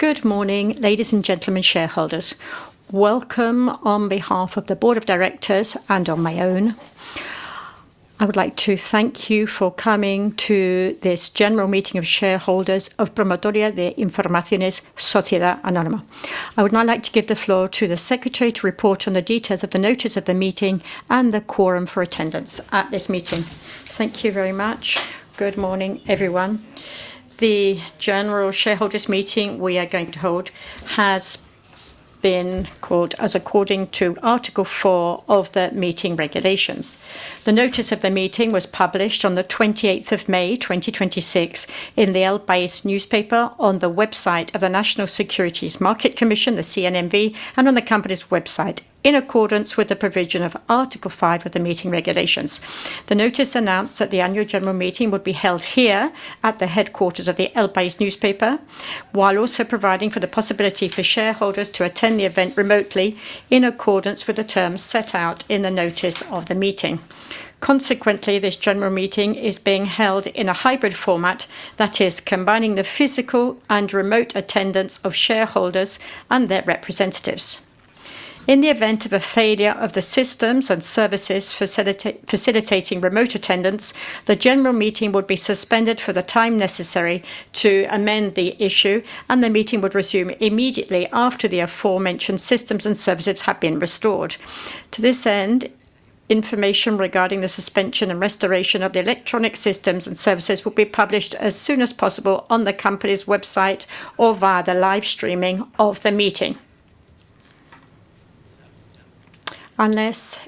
Good morning, ladies and gentlemen, shareholders. Welcome on behalf of the board of directors and on my own. I would like to thank you for coming to this general meeting of shareholders of Promotora de Informaciones, Sociedad Anónima. I would now like to give the floor to the secretary to report on the details of the notice of the meeting and the quorum for attendance at this meeting. Thank you very much. Good morning, everyone. The general shareholders meeting we are going to hold has been called as according to Article 4 of the meeting regulations. The notice of the meeting was published on the 28th of May 2026, in the El País newspaper, on the website of the National Securities Market Commission, the CNMV, and on the company's website, in accordance with the provision of Article 5 of the meeting regulations. The notice announced that the annual general meeting would be held here at the headquarters of the El País newspaper, while also providing for the possibility for shareholders to attend the event remotely in accordance with the terms set out in the notice of the meeting. Consequently, this general meeting is being held in a hybrid format, that is combining the physical and remote attendance of shareholders and their representatives. In the event of a failure of the systems and services facilitating remote attendance, the general meeting would be suspended for the time necessary to amend the issue, and the meeting would resume immediately after the aforementioned systems and services have been restored. To this end, information regarding the suspension and restoration of the electronic systems and services will be published as soon as possible on the company's website or via the live streaming of the meeting. Unless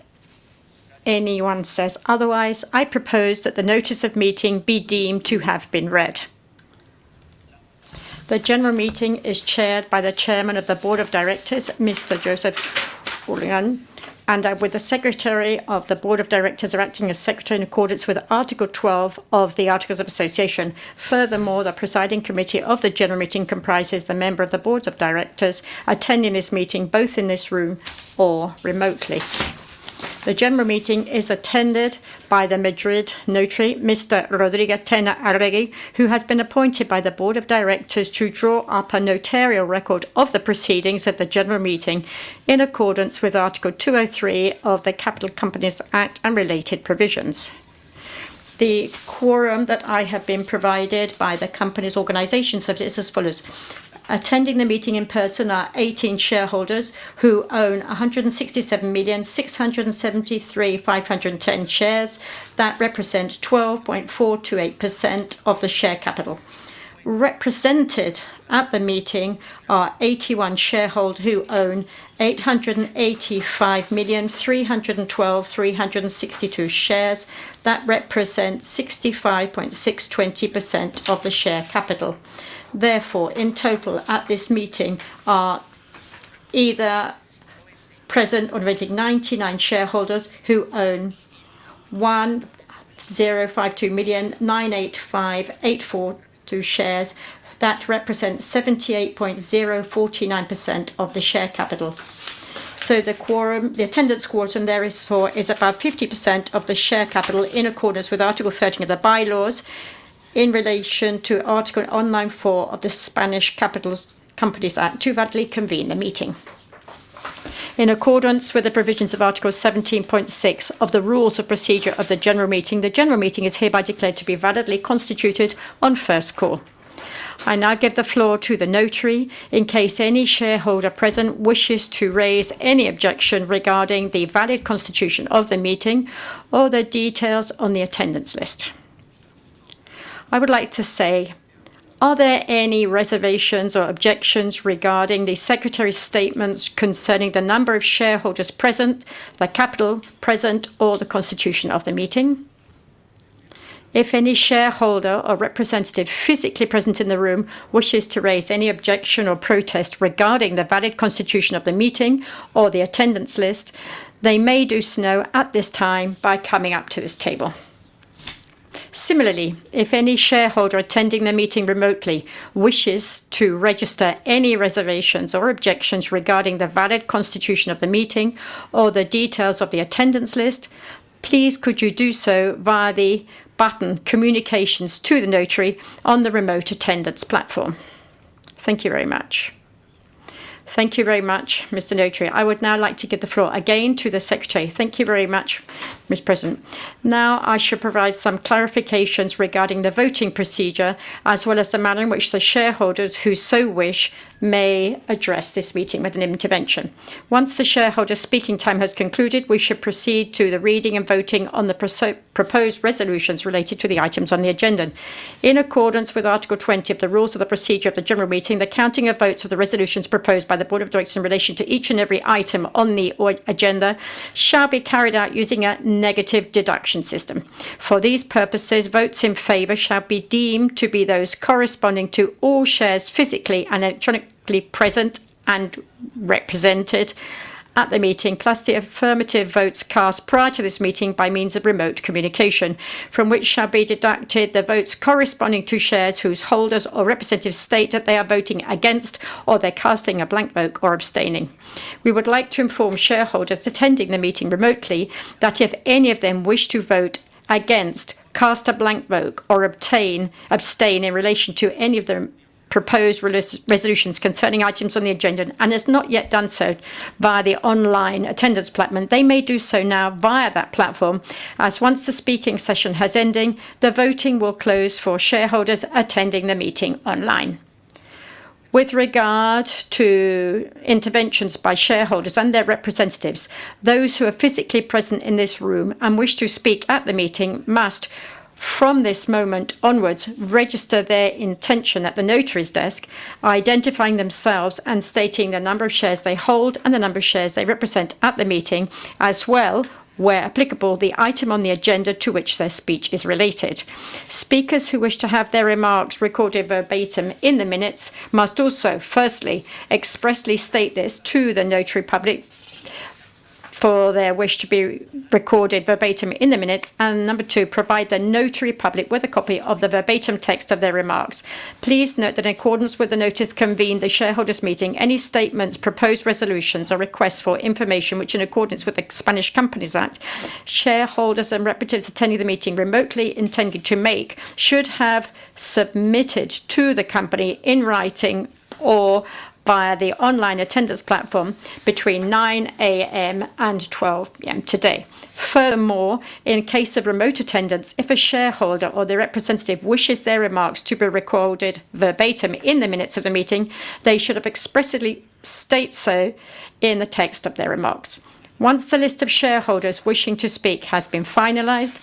anyone says otherwise, I propose that the notice of meeting be deemed to have been read. The general meeting is chaired by the chairman of the board of directors, Mr. Joseph Oughourlian, and with the Secretary of the Board of Directors acting as Secretary in accordance with Article 12 of the Articles of Association. Furthermore, the presiding committee of the general meeting comprises the member of the boards of directors attending this meeting, both in this room or remotely. The general meeting is attended by the Madrid notary, Mr. Rodrigo Tena Arregui, who has been appointed by the board of directors to draw up a notarial record of the proceedings at the general meeting in accordance with Article 203 of the Capital Companies Act and related provisions. The quorum that I have been provided by the company's organization subject is as follows. Attending the meeting in person are 18 shareholders who own 167,673,510 shares. That represents 12.428% of the share capital. Represented at the meeting are 81 shareholder who own 885,312,362 shares. That represents 65.620% of the share capital. Therefore, in total at this meeting are either present or voting 99 shareholders who own 1,052,985,842 shares. That represents 78.049% of the share capital. The attendance quorum therefore is about 50% of the share capital in accordance with Article 13 of the bylaws in relation to Article 194 of the Spanish Capital Companies Act to validly convene the meeting. In accordance with the provisions of Article 17.6 of the rules of procedure of the general meeting, the general meeting is hereby declared to be validly constituted on first call. I now give the floor to the notary in case any shareholder present wishes to raise any objection regarding the valid constitution of the meeting or the details on the attendance list. I would like to say, are there any reservations or objections regarding the secretary's statements concerning the number of shareholders present, the capital present, or the constitution of the meeting? If any shareholder or representative physically present in the room wishes to raise any objection or protest regarding the valid constitution of the meeting or the attendance list, they may do so now at this time by coming up to this table. Similarly, if any shareholder attending the meeting remotely wishes to register any reservations or objections regarding the valid constitution of the meeting or the details of the attendance list, please could you do so via the button communications to the notary on the remote attendance platform. Thank you very much. Thank you very much, Mr. Notary. I would now like to give the floor again to the secretary. Thank you very much, Mr. President. I shall provide some clarifications regarding the voting procedure, as well as the manner in which the shareholders who so wish may address this meeting with an intervention. Once the shareholder speaking time has concluded, we should proceed to the reading and voting on the proposed resolutions related to the items on the agenda. In accordance with Article 20 of the rules of the procedure of the general meeting, the counting of votes of the resolutions proposed by the Board of Directors in relation to each and every item on the agenda shall be carried out using a negative deduction system. For these purposes, votes in favor shall be deemed to be those corresponding to all shares physically and electronically present and represented at the meeting, plus the affirmative votes cast prior to this meeting by means of remote communication, from which shall be deducted the votes corresponding to shares whose holders or representatives state that they are voting against or they are casting a blank vote or abstaining. We would like to inform shareholders attending the meeting remotely that if any of them wish to vote against, cast a blank vote, or abstain in relation to any of the proposed resolutions concerning items on the agenda, and has not yet done so via the online attendance platform, they may do so now via that platform, as once the speaking session has ended, the voting will close for shareholders attending the meeting online. With regard to interventions by shareholders and their representatives, those who are physically present in this room and wish to speak at the meeting must, from this moment onwards, register their intention at the notary's desk, identifying themselves and stating the number of shares they hold and the number of shares they represent at the meeting, as well, where applicable, the item on the agenda to which their speech is related. Speakers who wish to have their remarks recorded verbatim in the minutes must also, firstly, expressly state this to the notary public for their wish to be recorded verbatim in the minutes, and number two, provide the notary public with a copy of the verbatim text of their remarks. Please note that in accordance with the notice convened the shareholders meeting, any statements, proposed resolutions or requests for information, which in accordance with the Spanish Capital Companies Act, shareholders and representatives attending the meeting remotely intending to make, should have submitted to the company in writing or via the online attendance platform between 9:00 A.M. and 12:00 P.M. today. Furthermore, in case of remote attendance, if a shareholder or their representative wishes their remarks to be recorded verbatim in the minutes of the meeting, they should have expressly state so in the text of their remarks. Once the list of shareholders wishing to speak has been finalized,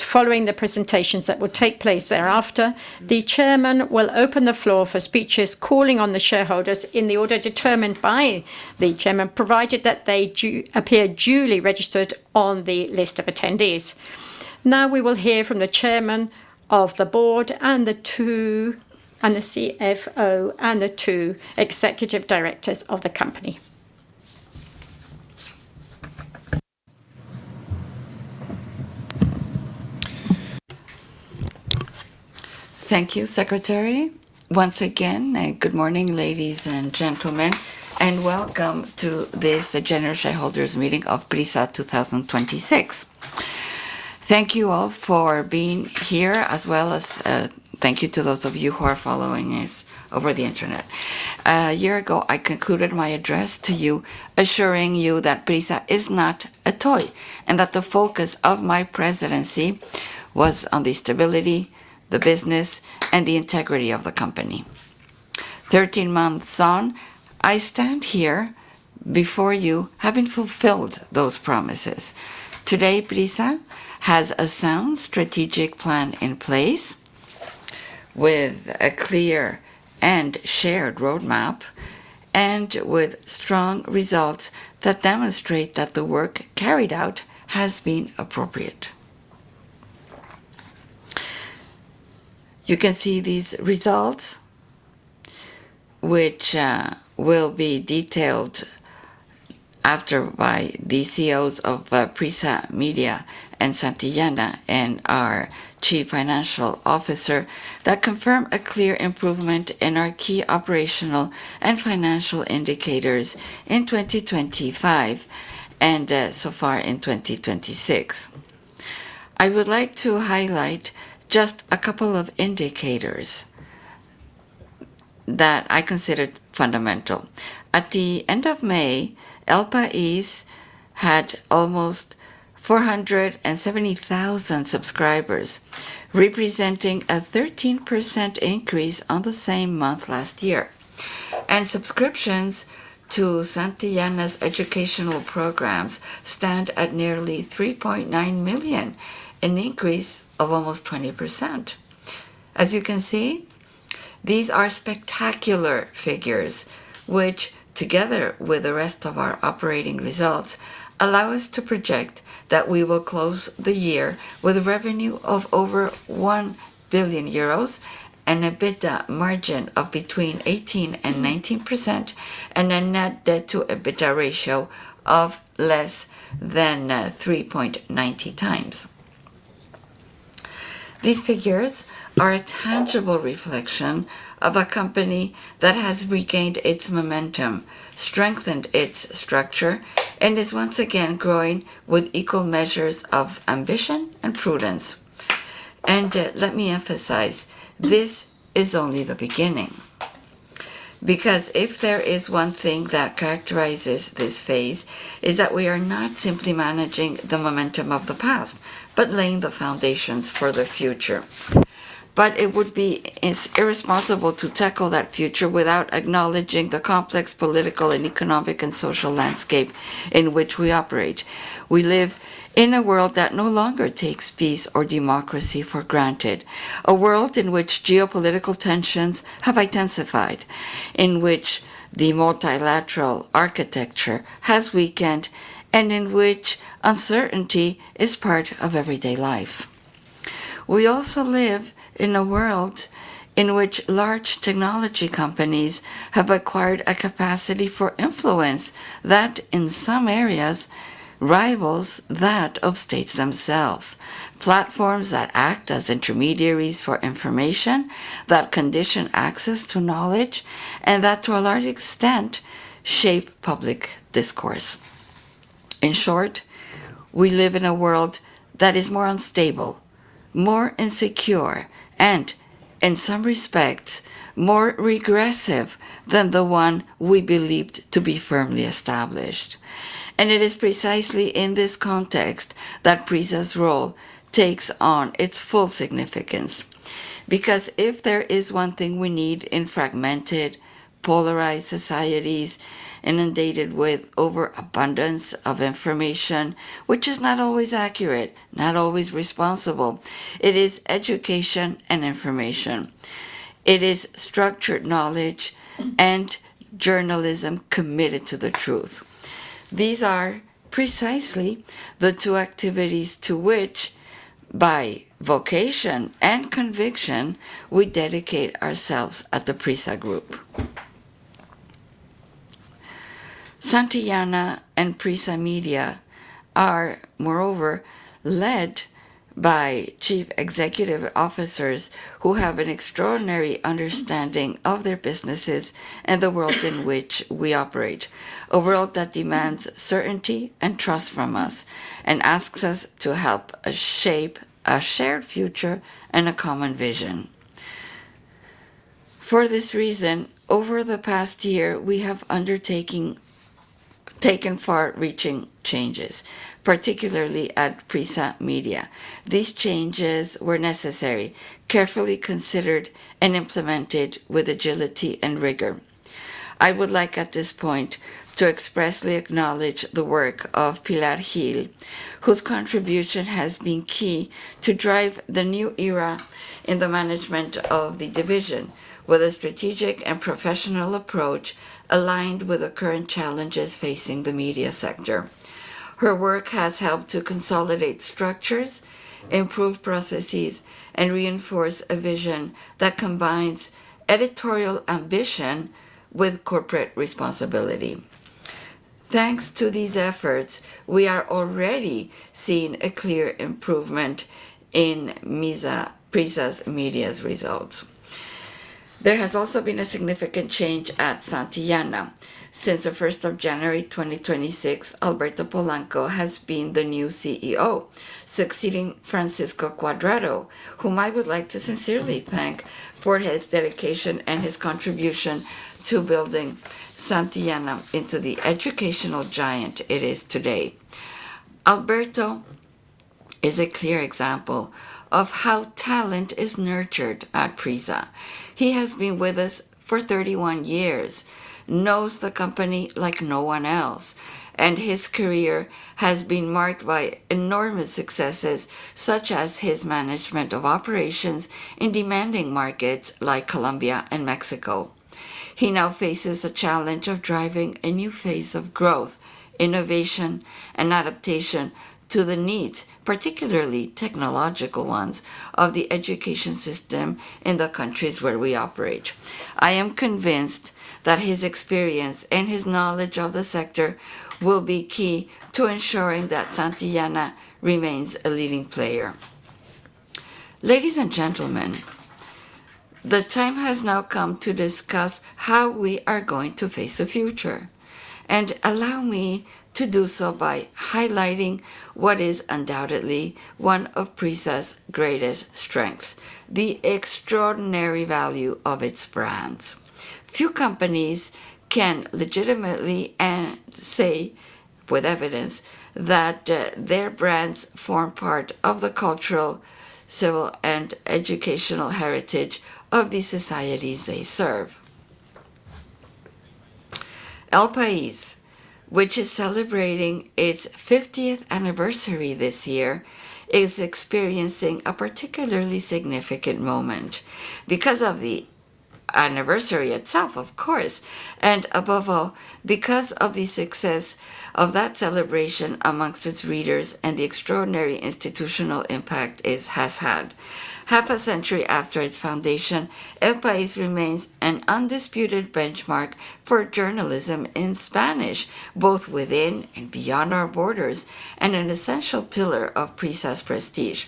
following the presentations that will take place thereafter, the Chairman will open the floor for speeches calling on the shareholders in the order determined by the Chairman, provided that they appear duly registered on the list of attendees. We will hear from the Chairman of the Board, the CFO, and the two Executive Directors of the company. Thank you, Secretary. Once again, good morning, ladies and gentlemen, and welcome to this general shareholders meeting of PRISA 2026. Thank you all for being here, as well as thank you to those of you who are following us over the internet. A year ago, I concluded my address to you, assuring you that PRISA is not a toy, and that the focus of my presidency was on the stability, the business, and the integrity of the company. 13 months on, I stand here before you having fulfilled those promises. Today, PRISA has a sound strategic plan in place with a clear and shared roadmap, and with strong results that demonstrate that the work carried out has been appropriate. You can see these results, which will be detailed after by the CEOs of PRISA Media and Santillana, and our Chief Financial Officer, that confirm a clear improvement in our key operational and financial indicators in 2025, and so far in 2026. I would like to highlight just a couple of indicators that I considered fundamental. At the end of May, El País had almost 470,000 subscribers, representing a 13% increase on the same month last year. Subscriptions to Santillana's educational programs stand at nearly 3.9 million, an increase of almost 20%. As you can see, these are spectacular figures, which together with the rest of our operating results, allow us to project that we will close the year with revenue of over 1 billion euros and an EBITDA margin of between 18% and 19%, and a net debt to EBITDA ratio of less than 3.90x. These figures are a tangible reflection of a company that has regained its momentum, strengthened its structure, and is once again growing with equal measures of ambition and prudence. Let me emphasize, this is only the beginning. If there is one thing that characterizes this phase, is that we are not simply managing the momentum of the past, but laying the foundations for the future. It would be irresponsible to tackle that future without acknowledging the complex political and economic and social landscape in which we operate. We live in a world that no longer takes peace or democracy for granted, a world in which geopolitical tensions have intensified, in which the multilateral architecture has weakened, and in which uncertainty is part of everyday life. We also live in a world in which large technology companies have acquired a capacity for influence that, in some areas, rivals that of states themselves. Platforms that act as intermediaries for information, that condition access to knowledge, and that, to a large extent, shape public discourse. In short, we live in a world that is more unstable, more insecure, and in some respects, more regressive than the one we believed to be firmly established. It is precisely in this context that PRISA's role takes on its full significance. If there is one thing we need in fragmented, polarized societies inundated with overabundance of information, which is not always accurate, not always responsible, it is education and information. It is structured knowledge and journalism committed to the truth. These are precisely the two activities to which, by vocation and conviction, we dedicate ourselves at the PRISA group. Santillana and PRISA Media are, moreover, led by Chief Executive Officers who have an extraordinary understanding of their businesses and the world in which we operate, a world that demands certainty and trust from us and asks us to help shape a shared future and a common vision. For this reason, over the past year, we have undertaken far-reaching changes, particularly at PRISA Media. These changes were necessary, carefully considered, and implemented with agility and rigor. I would like, at this point, to expressly acknowledge the work of Pilar Gil, whose contribution has been key to drive the new era in the management of the division with a strategic and professional approach aligned with the current challenges facing the media sector. Her work has helped to consolidate structures, improve processes, and reinforce a vision that combines editorial ambition with corporate responsibility. Thanks to these efforts, we are already seeing a clear improvement in PRISA Media's results. There has also been a significant change at Santillana. Since the 1st of January 2026, Alberto Polanco has been the new CEO, succeeding Francisco Cuadrado, whom I would like to sincerely thank for his dedication and his contribution to building Santillana into the educational giant it is today. Alberto is a clear example of how talent is nurtured at PRISA. He has been with us for 31 years, knows the company like no one else, and his career has been marked by enormous successes, such as his management of operations in demanding markets like Colombia and Mexico. He now faces the challenge of driving a new phase of growth, innovation, and adaptation to the needs, particularly technological ones, of the education system in the countries where we operate. I am convinced that his experience and his knowledge of the sector will be key to ensuring that Santillana remains a leading player. Ladies and gentlemen, the time has now come to discuss how we are going to face the future, allow me to do so by highlighting what is undoubtedly one of PRISA's greatest strengths, the extraordinary value of its brands. Few companies can legitimately say with evidence that their brands form part of the cultural, civil, and educational heritage of the societies they serve. El País, which is celebrating its 50th anniversary this year, is experiencing a particularly significant moment because of the anniversary itself, of course, and above all, because of the success of that celebration amongst its readers and the extraordinary institutional impact it has had. Half a century after its foundation, El País remains an undisputed benchmark for journalism in Spanish, both within and beyond our borders, an essential pillar of PRISA's prestige.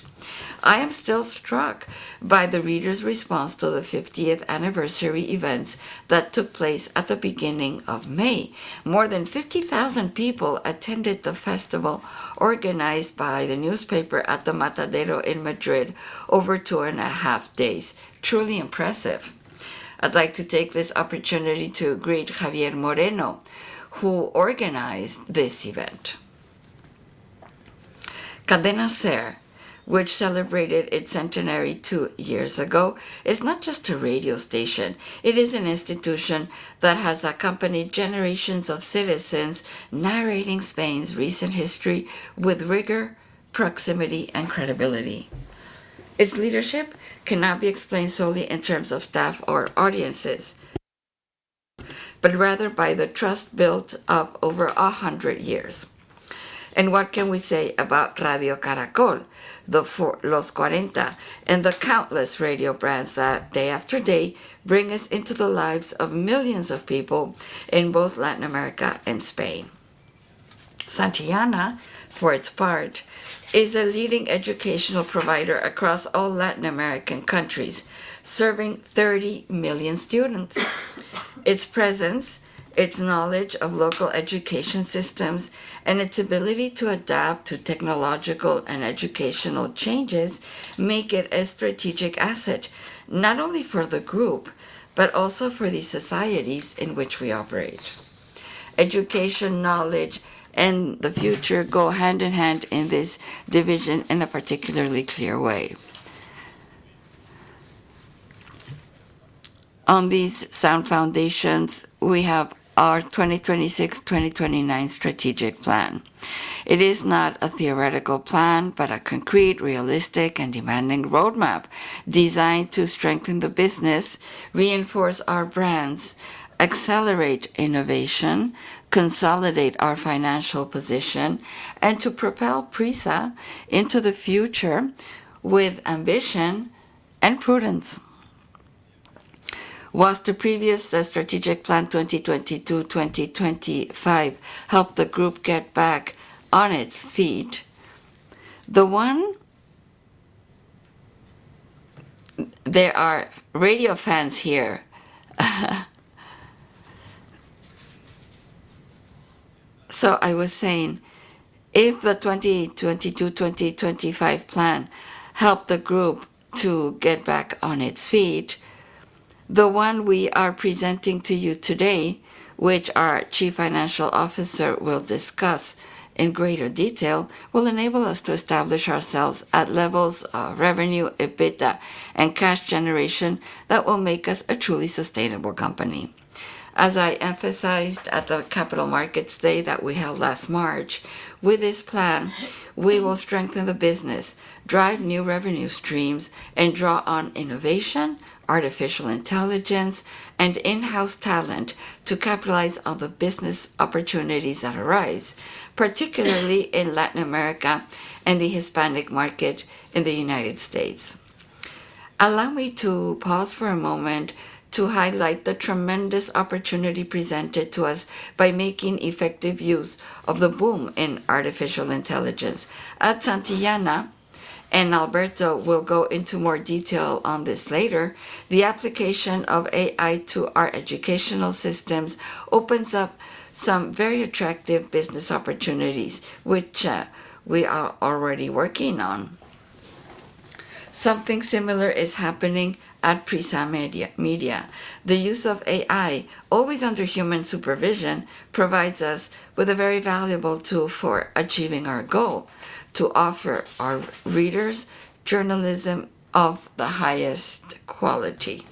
I am still struck by the readers' response to the 50th anniversary events that took place at the beginning of May. More than 50,000 people attended the festival organized by the newspaper at the Matadero in Madrid over two and a half days. Truly impressive. I'd like to take this opportunity to greet Javier Moreno, who organized this event. Cadena SER, which celebrated its centenary two years ago, is not just a radio station. It is an institution that has accompanied generations of citizens narrating Spain's recent history with rigor, proximity, and credibility. Its leadership cannot be explained solely in terms of staff or audiences, but rather by the trust built up over 100 years. What can we say about Radio Caracol, LOS40, and the countless radio brands that day after day bring us into the lives of millions of people in both Latin America and Spain. Santillana, for its part, is a leading educational provider across all Latin American countries, serving 30 million students. Its presence, its knowledge of local education systems, and its ability to adapt to technological and educational changes make it a strategic asset, not only for the group, but also for the societies in which we operate. Education, knowledge, and the future go hand in hand in this division in a particularly clear way. On these sound foundations, we have our 2026-2029 strategic plan. It is not a theoretical plan, but a concrete, realistic, and demanding roadmap designed to strengthen the business, reinforce our brands, accelerate innovation, consolidate our financial position, and to propel PRISA into the future with ambition and prudence. Whilst the previous strategic plan, 2022-2025, helped the group get back on its feet. There are radio fans here. I was saying, if the 2022-2025 plan helped the group to get back on its feet, the one we are presenting to you today, which our Chief Financial Officer will discuss in greater detail, will enable us to establish ourselves at levels of revenue, EBITDA, and cash generation that will make us a truly sustainable company. As I emphasized at the Capital Markets Day that we held last March, with this plan, we will strengthen the business, drive new revenue streams, and draw on innovation, artificial intelligence, and in-house talent to capitalize on the business opportunities that arise, particularly in Latin America and the Hispanic market in the United States. Allow me to pause for a moment to highlight the tremendous opportunity presented to us by making effective use of the boom in artificial intelligence. At Santillana, and Alberto will go into more detail on this later, the application of AI to our educational systems opens up some very attractive business opportunities, which we are already working on. Something similar is happening at PRISA Media. The use of AI, always under human supervision, provides us with a very valuable tool for achieving our goal, to offer our readers journalism of the highest quality.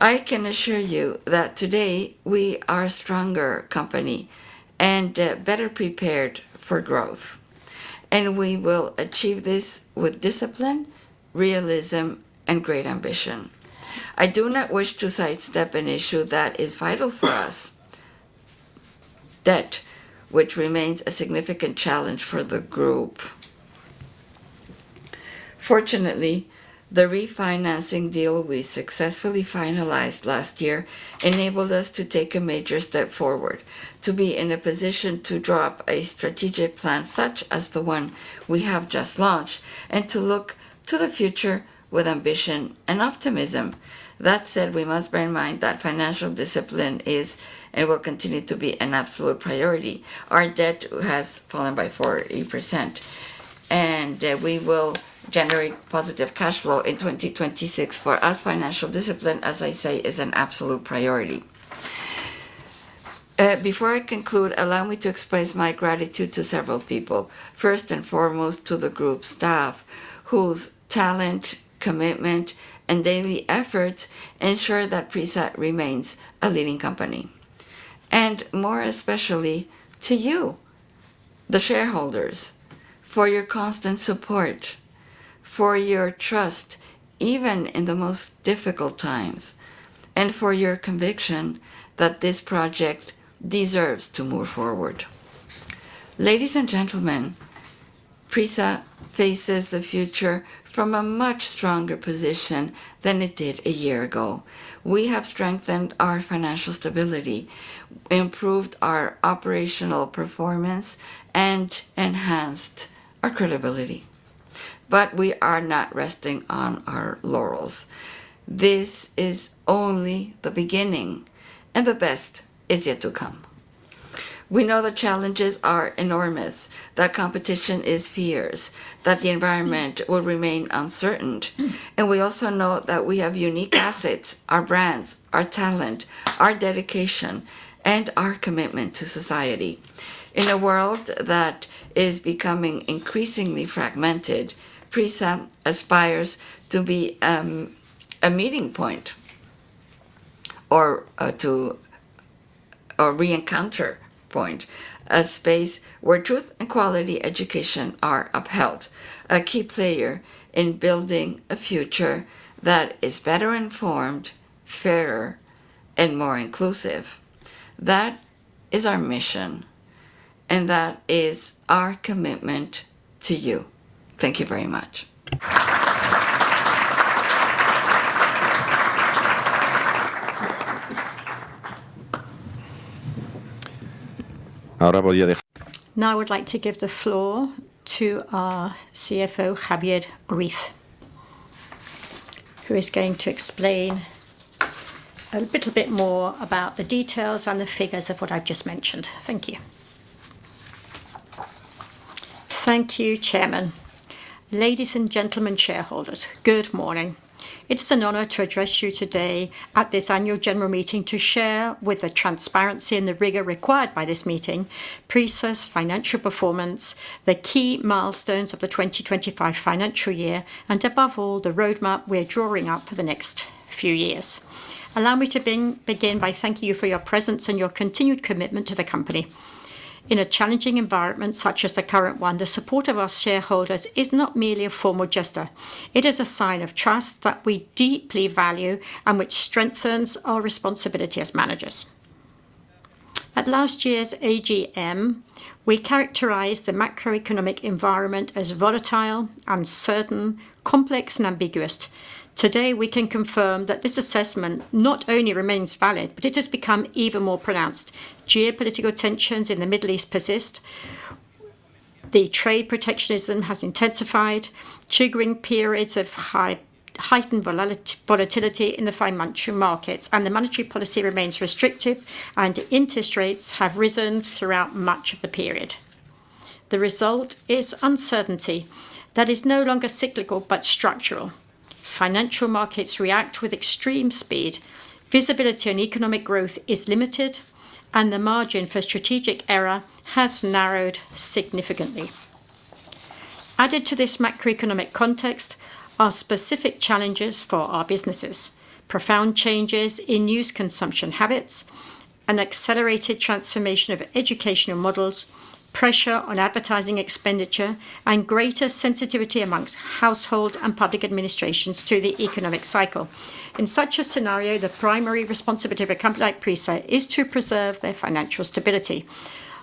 I can assure you that today we are a stronger company and better prepared for growth. We will achieve this with discipline, realism, and great ambition. I do not wish to sidestep an issue that is vital for us, debt, which remains a significant challenge for the group. Fortunately, the refinancing deal we successfully finalized last year enabled us to take a major step forward, to be in a position to draw up a strategic plan such as the one we have just launched, and to look to the future with ambition and optimism. That said, we must bear in mind that financial discipline is and will continue to be an absolute priority. Our debt has fallen by 40%, and we will generate positive cash flow in 2026. For us, financial discipline, as I say, is an absolute priority. Before I conclude, allow me to express my gratitude to several people. First and foremost, to the group staff, whose talent, commitment, and daily efforts ensure that PRISA remains a leading company. More especially to you, the shareholders, for your constant support, for your trust, even in the most difficult times, and for your conviction that this project deserves to move forward. Ladies and gentlemen, PRISA faces the future from a much stronger position than it did a year ago. We have strengthened our financial stability, improved our operational performance, and enhanced our credibility. We are not resting on our laurels. This is only the beginning. The best is yet to come. We know the challenges are enormous, that competition is fierce, that the environment will remain uncertain. We also know that we have unique assets, our brands, our talent, our dedication, and our commitment to society. In a world that is becoming increasingly fragmented, PRISA aspires to be a meeting point or re-encounter point, a space where truth and quality education are upheld, a key player in building a future that is better informed, fairer, and more inclusive. That is our mission. That is our commitment to you. Thank you very much. Now I would like to give the floor to our CFO, Javier Ruiz, who is going to explain a little bit more about the details and the figures of what I've just mentioned. Thank you. Thank you, Chairman. Ladies and gentlemen, shareholders, good morning. It is an honor to address you today at this annual general meeting to share, with the transparency and the rigor required by this meeting, PRISA's financial performance, the key milestones of the 2025 financial year, and above all, the roadmap we're drawing out for the next few years. Allow me to begin by thanking you for your presence and your continued commitment to the company. In a challenging environment such as the current one, the support of our shareholders is not merely a formal gesture. It is a sign of trust that we deeply value and which strengthens our responsibility as managers. At last year's AGM, we characterized the macroeconomic environment as volatile, uncertain, complex, and ambiguous. Today, we can confirm that this assessment not only remains valid, but it has become even more pronounced. Geopolitical tensions in the Middle East persist. Trade protectionism has intensified, triggering periods of heightened volatility in the financial markets. Monetary policy remains restrictive, and interest rates have risen throughout much of the period. The result is uncertainty that is no longer cyclical but structural. Financial markets react with extreme speed, visibility and economic growth is limited, the margin for strategic error has narrowed significantly. Added to this macroeconomic context are specific challenges for our businesses. Profound changes in news consumption habits, an accelerated transformation of educational models, pressure on advertising expenditure, and greater sensitivity amongst household and public administrations to the economic cycle. In such a scenario, the primary responsibility of a company like PRISA is to preserve their financial stability,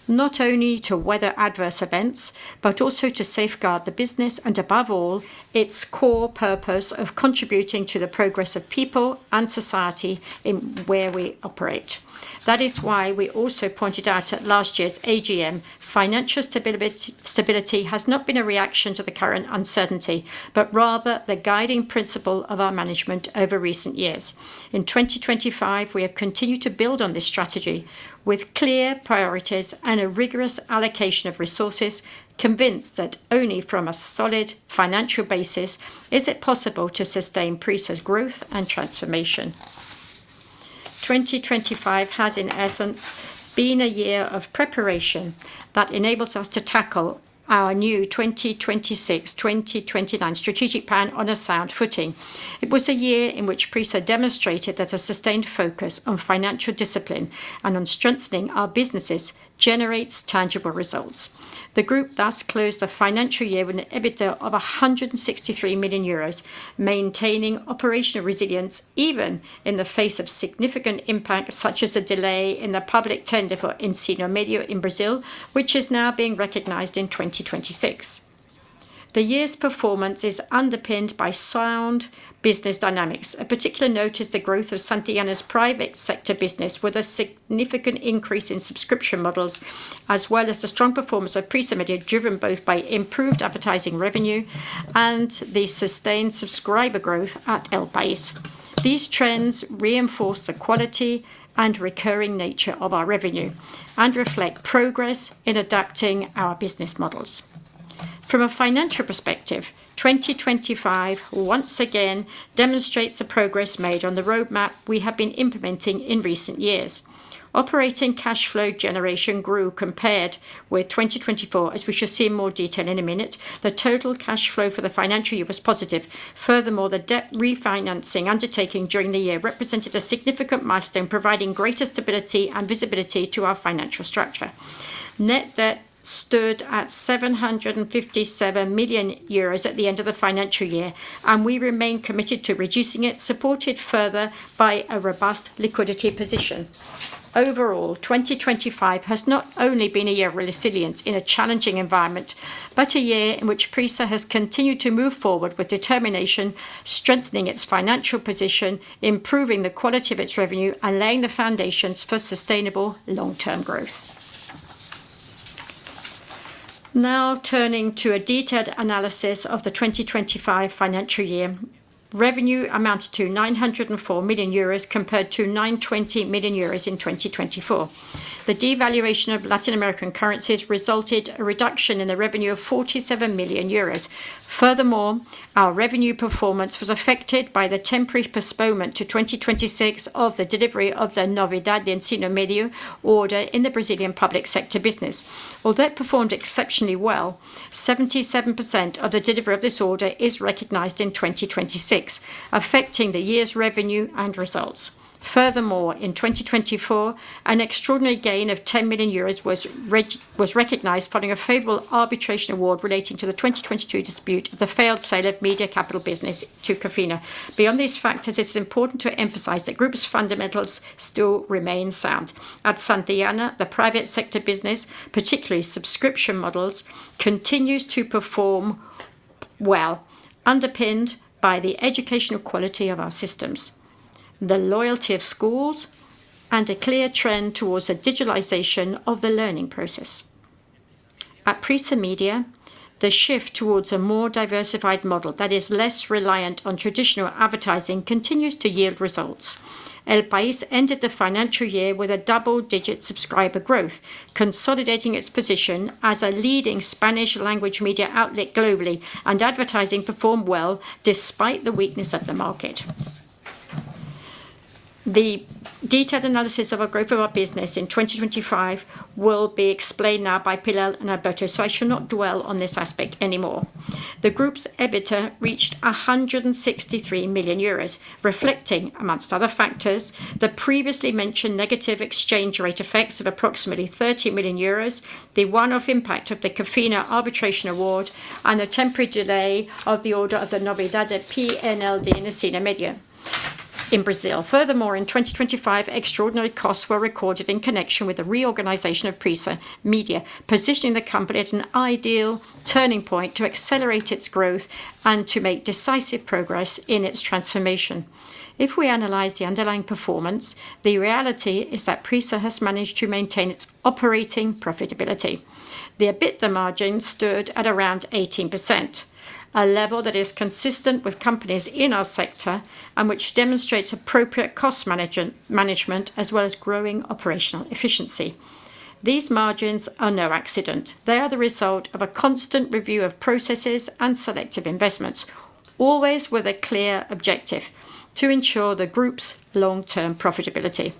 not only to weather adverse events, but also to safeguard the business and above all, its core purpose of contributing to the progress of people and society in where we operate. That is why we also pointed out at last year's AGM, financial stability has not been a reaction to the current uncertainty, but rather the guiding principle of our management over recent years. In 2025, we have continued to build on this strategy with clear priorities and a rigorous allocation of resources, convinced that only from a solid financial basis is it possible to sustain PRISA's growth and transformation. 2025 has in essence been a year of preparation that enables us to tackle our new 2026-2029 strategic plan on a sound footing. It was a year in which PRISA demonstrated that a sustained focus on financial discipline and on strengthening our businesses generates tangible results. The group thus closed the financial year with an EBITDA of 163 million euros, maintaining operational resilience even in the face of significant impact, such as a delay in the public tender for Ensino Médio in Brazil, which is now being recognized in 2026. The year's performance is underpinned by sound business dynamics. A particular note is the growth of Santillana's private sector business, with a significant increase in subscription models, as well as the strong performance of PRISA Media, driven both by improved advertising revenue and the sustained subscriber growth at El País. These trends reinforce the quality and recurring nature of our revenue and reflect progress in adapting our business models. From a financial perspective, 2025 once again demonstrates the progress made on the roadmap we have been implementing in recent years. Operating cash flow generation grew compared with 2024, as we shall see in more detail in a minute. The total cash flow for the financial year was positive. Furthermore, the debt refinancing undertaking during the year represented a significant milestone, providing greater stability and visibility to our financial structure. Net debt stood at 757 million euros at the end of the financial year, and we remain committed to reducing it, supported further by a robust liquidity position. Overall, 2025 has not only been a year of resilience in a challenging environment, but a year in which PRISA has continued to move forward with determination, strengthening its financial position, improving the quality of its revenue, and laying the foundations for sustainable long-term growth. Turning to a detailed analysis of the 2025 financial year. Revenue amounted to 904 million euros compared to 920 million euros in 2024. The devaluation of Latin American currencies resulted a reduction in the revenue of 47 million euros. Furthermore, our revenue performance was affected by the temporary postponement to 2026 of the delivery of the Novo Ensino Médio order in the Brazilian public sector business. Although it performed exceptionally well, 77% of the delivery of this order is recognized in 2026, affecting the year's revenue and results. Furthermore, in 2024, an extraordinary gain of 10 million euros was recognized following a favorable arbitration award relating to the 2022 dispute, the failed sale of Media Capital to Cofina. Beyond these factors, it's important to emphasize that group's fundamentals still remain sound. At Santillana, the private sector business, particularly subscription models, continues to perform well, underpinned by the educational quality of our systems. The loyalty of schools, and a clear trend towards the digitalization of the learning process. At PRISA Media, the shift towards a more diversified model that is less reliant on traditional advertising continues to yield results. El País ended the financial year with a double-digit subscriber growth, consolidating its position as a leading Spanish-language media outlet globally, and advertising performed well despite the weakness of the market. The detailed analysis of our group of our business in 2025 will be explained now by Pilar and Alberto, I shall not dwell on this aspect anymore. The group's EBITDA reached 163 million euros, reflecting, amongst other factors, the previously mentioned negative exchange rate effects of approximately 30 million euros, the one-off impact of the Cofina arbitration award, and the temporary delay of the order of the Novo PNLD in the Ensino Médio in Brazil. Furthermore, in 2025, extraordinary costs were recorded in connection with the reorganization of PRISA Media, positioning the company at an ideal turning point to accelerate its growth and to make decisive progress in its transformation. If we analyze the underlying performance, the reality is that PRISA has managed to maintain its operating profitability. The EBITDA margin stood at around 18%, a level that is consistent with companies in our sector and which demonstrates appropriate cost management, as well as growing operational efficiency. These margins are no accident. They are the result of a constant review of processes and selective investments, always with a clear objective: to ensure the group's long-term profitability.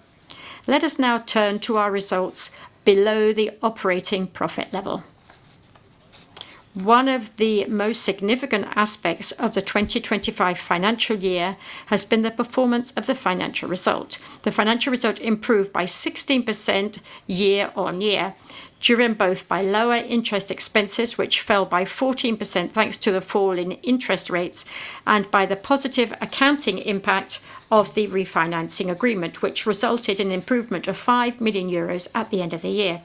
Let us now turn to our results below the operating profit level. One of the most significant aspects of the 2025 financial year has been the performance of the financial result. The financial result improved by 16% year-on-year, driven both by lower interest expenses, which fell by 14% thanks to the fall in interest rates, and by the positive accounting impact of the refinancing agreement, which resulted in improvement of 5 million euros at the end of the year.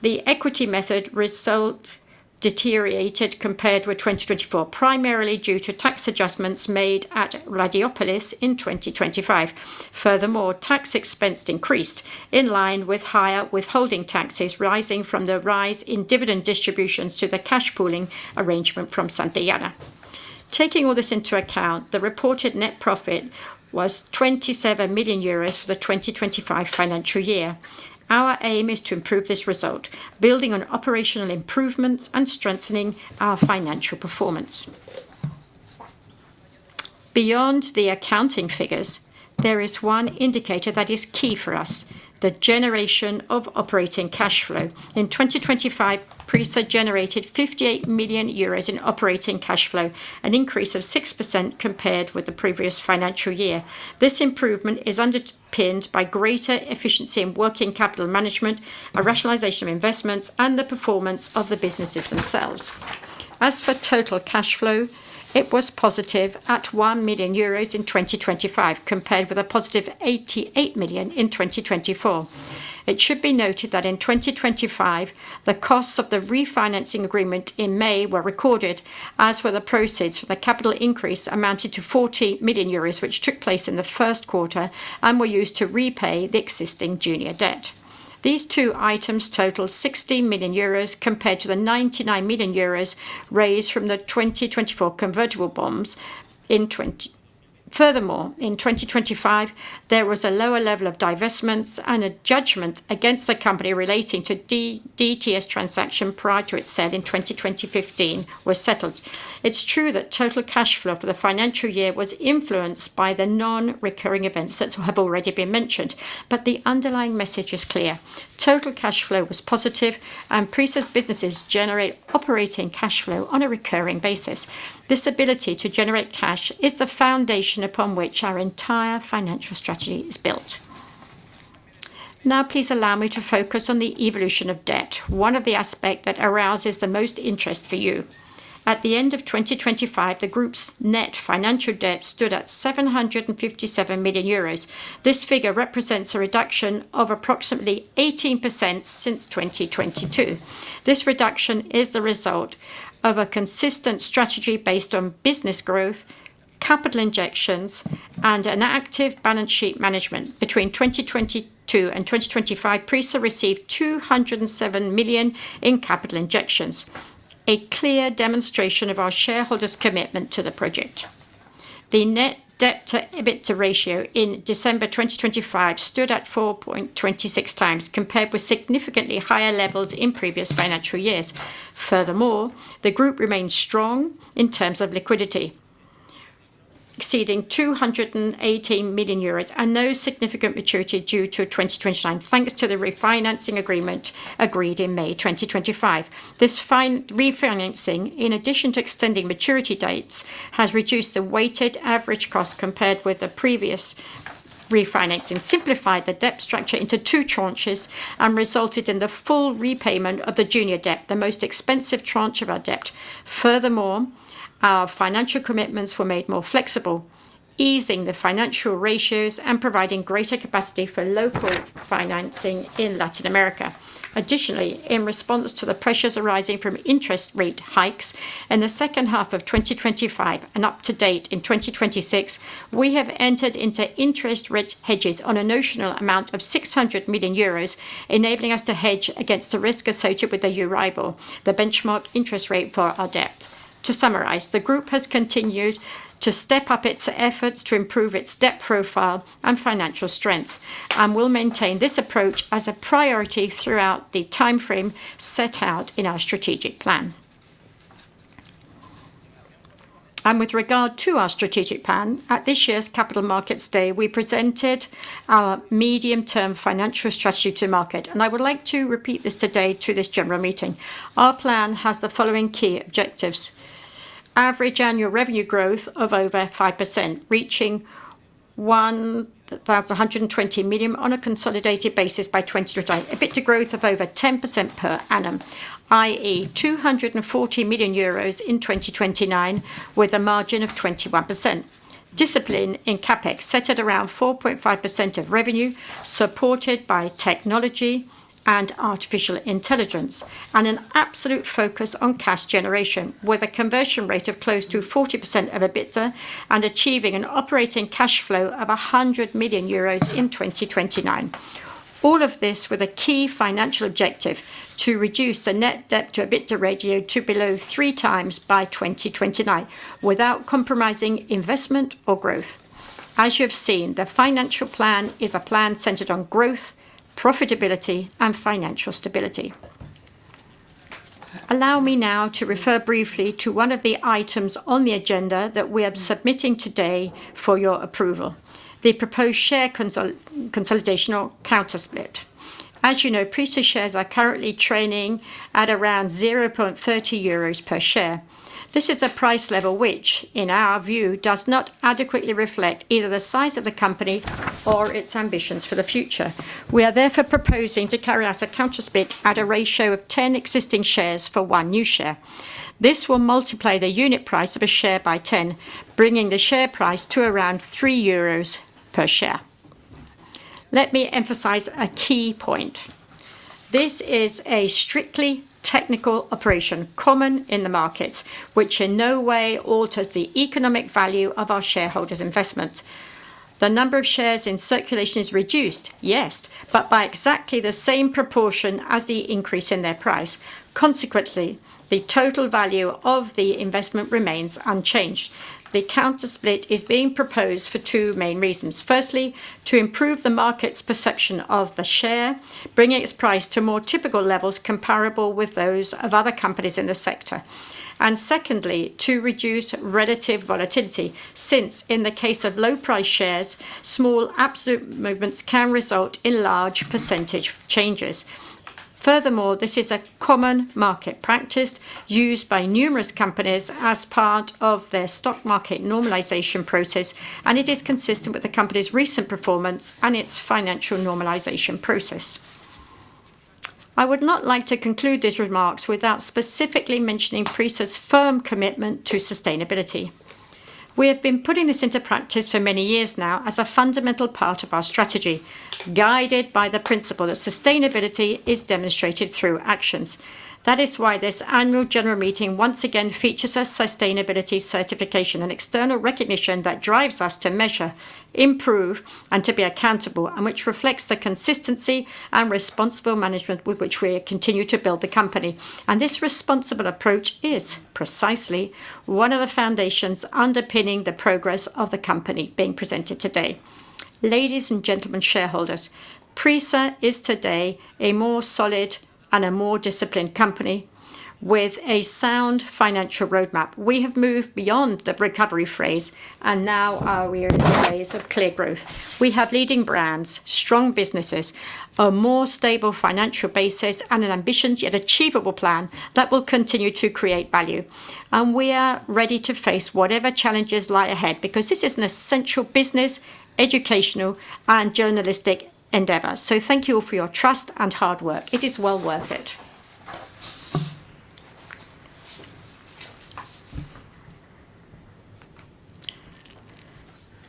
The equity method result deteriorated compared with 2024, primarily due to tax adjustments made at Radiópolis in 2025. Furthermore, tax expense increased in line with higher withholding taxes, rising from the rise in dividend distributions to the cash pooling arrangement from Santillana. Taking all this into account, the reported net profit was 27 million euros for the 2025 financial year. Our aim is to improve this result, building on operational improvements and strengthening our financial performance. Beyond the accounting figures, there is one indicator that is key for us, the generation of operating cash flow. In 2025, PRISA generated 58 million euros in operating cash flow, an increase of 6% compared with the previous financial year. This improvement is underpinned by greater efficiency in working capital management, a rationalization of investments, and the performance of the businesses themselves. As for total cash flow, it was positive at 1 million euros in 2025, compared with a +88 million in 2024. It should be noted that in 2025, the costs of the refinancing agreement in May were recorded, as were the proceeds for the capital increase amounted to 40 million euros, which took place in the first quarter and were used to repay the existing junior debt. These two items total 16 million euros compared to the 99 million euros raised from the 2024 convertible bonds. Furthermore, in 2025, there was a lower level of divestments and a judgment against the company relating to DTS transaction prior to it set in 2015 was settled. It's true that total cash flow for the financial year was influenced by the non-recurring events that have already been mentioned, but the underlying message is clear. Total cash flow was positive and PRISA's businesses generate operating cash flow on a recurring basis. This ability to generate cash is the foundation upon which our entire financial strategy is built. Now, please allow me to focus on the evolution of debt, one of the aspect that arouses the most interest for you. At the end of 2025, the group's net financial debt stood at 757 million euros. This figure represents a reduction of approximately 18% since 2022. This reduction is the result of a consistent strategy based on business growth, capital injections, and an active balance sheet management. Between 2022 and 2025, PRISA received 207 million in capital injections, a clear demonstration of our shareholders' commitment to the project. The net debt to EBITDA ratio in December 2025 stood at 4.26x compared with significantly higher levels in previous financial years. Furthermore, the group remains strong in terms of liquidity, exceeding 218 million euros and no significant maturity due till 2029, thanks to the refinancing agreement agreed in May 2025. This refinancing, in addition to extending maturity dates, has reduced the weighted average cost compared with the previous refinancing simplified the debt structure into two tranches and resulted in the full repayment of the junior debt, the most expensive tranche of our debt. Furthermore, our financial commitments were made more flexible, easing the financial ratios and providing greater capacity for local financing in Latin America. Additionally, in response to the pressures arising from interest rate hikes in the second half of 2025 and up to date in 2026, we have entered into interest rate hedges on a notional amount of 600 million euros, enabling us to hedge against the risk associated with the Euribor, the benchmark interest rate for our debt. To summarize, the group has continued to step up its efforts to improve its debt profile and financial strength. Will maintain this approach as a priority throughout the timeframe set out in our strategic plan. With regard to our strategic plan, at this year's Capital Markets Day, we presented our medium-term financial strategy to market, and I would like to repeat this today to this general meeting. Our plan has the following key objectives. Average annual revenue growth of over 5%, reaching 1,120 million on a consolidated basis by 2029. EBITDA growth of over 10% per annum, i.e., 240 million euros in 2029, with a margin of 21%. Discipline in CapEx set at around 4.5% of revenue, supported by technology and artificial intelligence, and an absolute focus on cash generation with a conversion rate of close to 40% of EBITDA and achieving an operating cash flow of 100 million euros in 2029. All of this with a key financial objective to reduce the net debt to EBITDA ratio to below 3x by 2029 without compromising investment or growth. As you have seen, the financial plan is a plan centered on growth, profitability, and financial stability. Allow me now to refer briefly to one of the items on the agenda that we are submitting today for your approval, the proposed share consolidation or counter split. As you know, PRISA shares are currently trading at around 0.30 euros per share. This is a price level which, in our view, does not adequately reflect either the size of the company or its ambitions for the future. We are therefore proposing to carry out a counter split at a ratio of 10 existing shares for one new share. This will multiply the unit price of a share by 10, bringing the share price to around 3 euros per share. Let me emphasize a key point. This is a strictly technical operation, common in the market, which in no way alters the economic value of our shareholders' investment. The number of shares in circulation is reduced, yes, but by exactly the same proportion as the increase in their price. Consequently, the total value of the investment remains unchanged. The counter split is being proposed for two main reasons. Firstly, to improve the market's perception of the share, bringing its price to more typical levels comparable with those of other companies in the sector. Secondly, to reduce relative volatility, since, in the case of low price shares, small absolute movements can result in large percentage changes. Furthermore, this is a common market practice used by numerous companies as part of their stock market normalization process; it is consistent with the company's recent performance and its financial normalization process. I would not like to conclude these remarks without specifically mentioning PRISA's firm commitment to sustainability. We have been putting this into practice for many years now as a fundamental part of our strategy, guided by the principle that sustainability is demonstrated through actions. That is why this annual general meeting once again features a sustainability certification, an external recognition that drives us to measure, improve, and to be accountable, which reflects the consistency and responsible management with which we continue to build the company. This responsible approach is precisely one of the foundations underpinning the progress of the company being presented today. Ladies and gentlemen, shareholders, PRISA is today a more solid and a more disciplined company with a sound financial roadmap. We have moved beyond the recovery phase and now we are in a phase of clear growth. We have leading brands, strong businesses, a more stable financial basis, an ambitious yet achievable plan that will continue to create value. We are ready to face whatever challenges lie ahead because this is an essential business, educational, and journalistic endeavor. Thank you all for your trust and hard work. It is well worth it.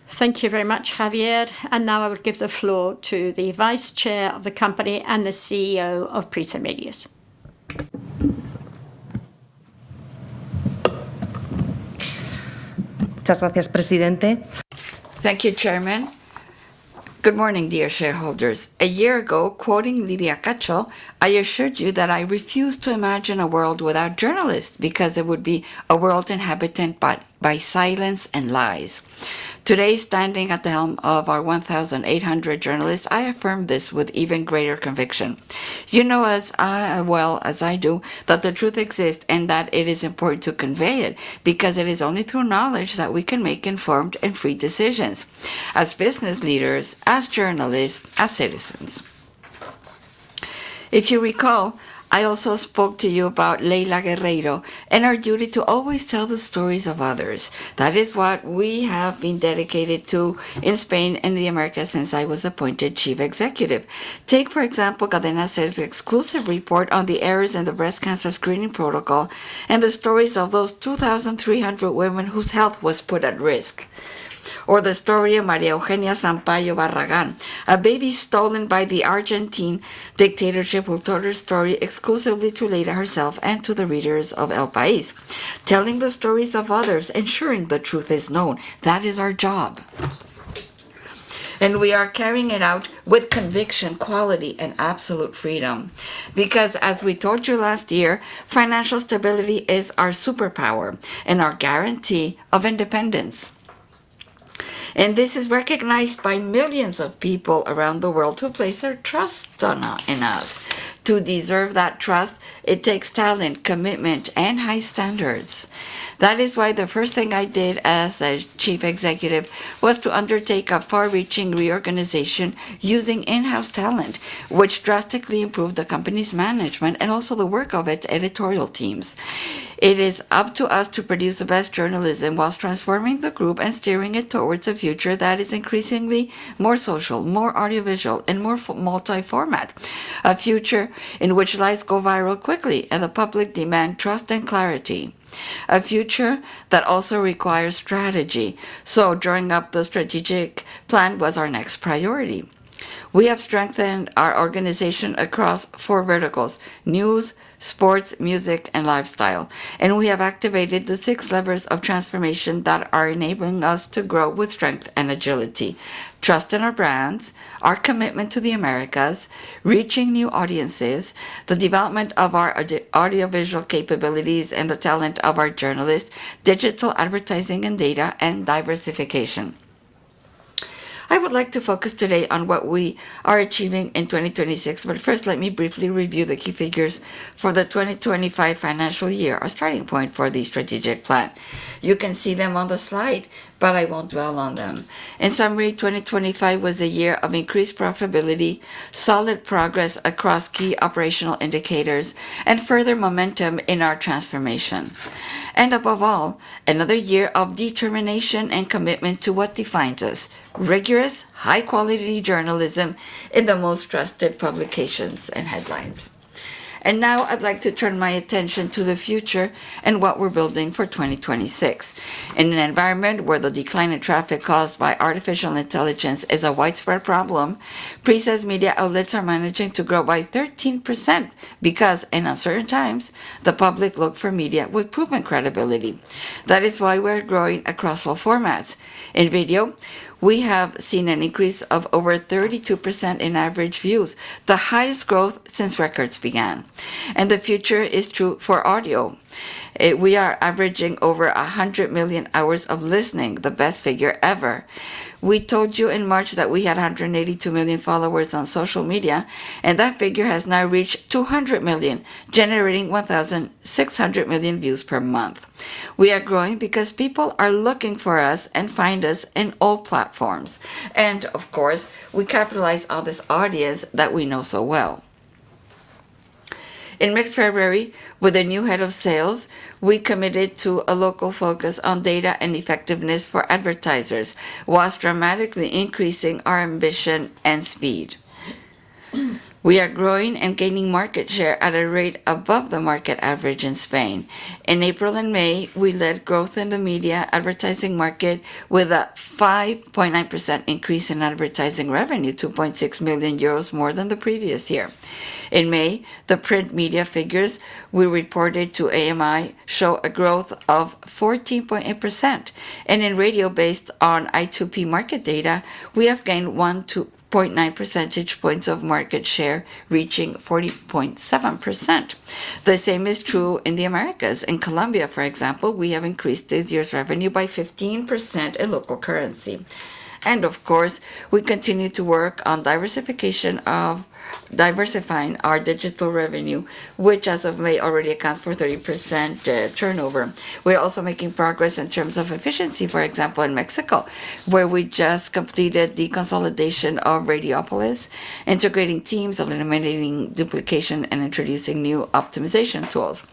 Thank you very much, Javier. Now I will give the floor to the vice chair of the company and the CEO of PRISA Media. Thank you, Chairman. Good morning, dear shareholders. A year ago, quoting Lydia Cacho, I assured you that I refuse to imagine a world without journalists because it would be a world inhabited by silence and lies. Today, standing at the helm of our 1,800 journalists, I affirm this with even greater conviction. You know as well as I do that the truth exists and that it is important to convey it, because it is only through knowledge that we can make informed and free decisions as business leaders, as journalists, as citizens. If you recall, I also spoke to you about Leila Guerriero and our duty to always tell the stories of others. That is what we have been dedicated to in Spain and the Americas since I was appointed chief executive. Take, for example, Cadena SER's exclusive report on the errors in the breast cancer screening protocol and the stories of those 2,300 women whose health was put at risk. Or the story of María Eugenia Sampayo Barragán, a baby stolen by the Argentine dictatorship, who told her story exclusively to Leila herself and to the readers of El País. Telling the stories of others, ensuring the truth is known, that is our job. We are carrying it out with conviction, quality, and absolute freedom. Because, as we told you last year, financial stability is our superpower and our guarantee of independence. This is recognized by millions of people around the world who place their trust in us. To deserve that trust, it takes talent, commitment, and high standards. That is why the first thing I did as chief executive was to undertake a far-reaching reorganization using in-house talent, which drastically improved the company's management and also the work of its editorial teams. It is up to us to produce the best journalism whilst transforming the group and steering it towards a future that is increasingly more social, more audiovisual, and more multi-format. A future in which lies go viral quickly and the public demand trust and clarity. A future that also requires strategy. Drawing up the strategic plan was our next priority. We have strengthened our organization across four verticals: news, sports, music, and lifestyle. We have activated the six levers of transformation that are enabling us to grow with strength and agility. Trust in our brands, our commitment to the Americas, reaching new audiences, the development of our audiovisual capabilities and the talent of our journalists, digital advertising and data, and diversification. I would like to focus today on what we are achieving in 2026. First, let me briefly review the key figures for the 2025 financial year, our starting point for the strategic plan. You can see them on the slide, but I won't dwell on them. In summary, 2025 was a year of increased profitability, solid progress across key operational indicators, and further momentum in our transformation. Above all, another year of determination and commitment to what defines us, rigorous, high-quality journalism in the most trusted publications and headlines. Now I'd like to turn my attention to the future and what we're building for 2026. In an environment where the decline in traffic caused by artificial intelligence is a widespread problem, PRISA's media outlets are managing to grow by 13% because in uncertain times, the public look for media with proven credibility. That is why we're growing across all formats. In video, we have seen an increase of over 32% in average views, the highest growth since records began. The future is true for audio. We are averaging over 100 million hours of listening, the best figure ever. We told you in March that we had 182 million followers on social media, and that figure has now reached 200 million, generating 1,600 million views per month. We are growing because people are looking for us and find us in all platforms. Of course, we capitalize on this audience that we know so well. In mid-February, with a new head of sales, we committed to a local focus on data and effectiveness for advertisers whilst dramatically increasing our ambition and speed. We are growing and gaining market share at a rate above the market average in Spain. In April and May, we led growth in the media advertising market with a 5.9% increase in advertising revenue, 2.6 million euros more than the previous year. In May, the print media figures we reported to AMI show a growth of 14.8%. In radio, based on I2P market data, we have gained 1.9 percentage points of market share, reaching 40.7%. The same is true in the Americas. In Colombia, for example, we have increased this year's revenue by 15% in local currency. Of course, we continue to work on diversifying our digital revenue, which as of May already accounts for 30% turnover. We're also making progress in terms of efficiency, for example, in Mexico, where we just completed the consolidation of Radiópolis, integrating teams, eliminating duplication, and introducing new optimization tools.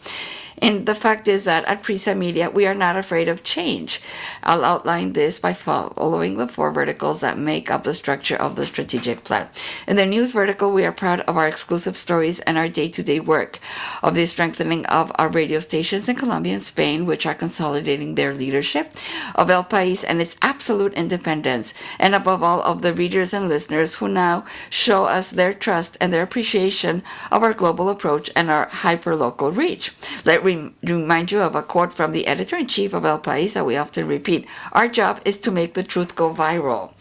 The fact is that at PRISA Media, we are not afraid of change. I'll outline this by following the four verticals that make up the structure of the strategic plan. In the news vertical, we are proud of our exclusive stories and our day-to-day work, of the strengthening of our radio stations in Colombia and Spain, which are consolidating their leadership, of El País and its absolute independence, and above all, of the readers and listeners who now show us their trust and their appreciation of our global approach and our hyperlocal reach. Let me remind you of a quote from the editor-in-chief of El País that we often repeat. Our job is to make the truth go viral."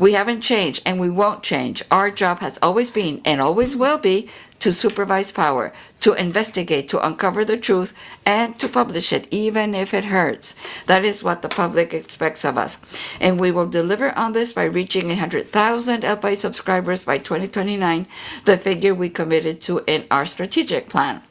We haven't changed, and we won't change. Our job has always been, and always will be, to supervise power, to investigate, to uncover the truth, and to publish it, even if it hurts. That is what the public expects of us, and we will deliver on this by reaching 100,000 El País subscribers by 2029, the figure we committed to in our strategic plan.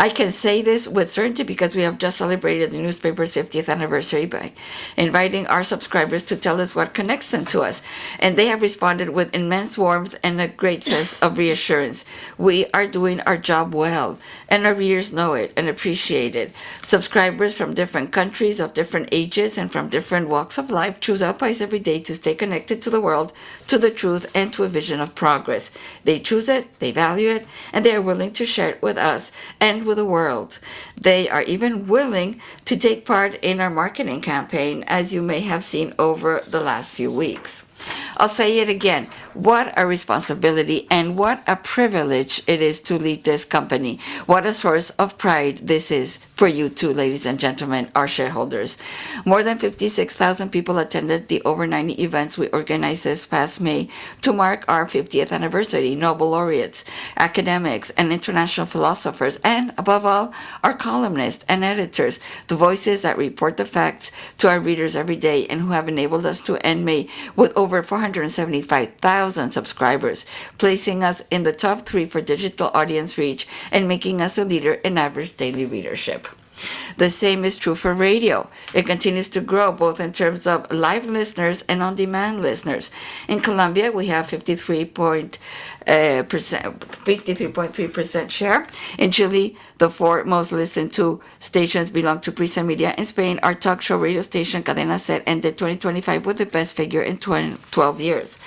I can say this with certainty because we have just celebrated the newspaper's 50th anniversary by inviting our subscribers to tell us what connects them to us, and they have responded with immense warmth and a great sense of reassurance. We are doing our job well, and our readers know it and appreciate it. Subscribers from different countries, of different ages, and from different walks of life choose El País every day to stay connected to the world, to the truth, and to a vision of progress. They choose it, they value it, and they are willing to share it with us and with the world. They are even willing to take part in our marketing campaign, as you may have seen over the last few weeks. I'll say it again, what a responsibility and what a privilege it is to lead this company. What a source of pride this is for you too, ladies and gentlemen, our shareholders. More than 56,000 people attended the over 90 events we organized this past May to mark our 50th anniversary. Nobel laureates, academics, and international philosophers, and above all, our columnists and editors, the voices that report the facts to our readers every day and who have enabled us to end May with over 475,000 subscribers, placing us in the top three for digital audience reach and making us a leader in average daily readership. The same is true for radio. It continues to grow both in terms of live listeners and on-demand listeners. In Colombia, we have 53.3% share. In Chile, the four most listened to stations belong to PRISA Media. In Spain, our talk show radio station, Cadena SER, ended 2025 with the best figure in 12 years,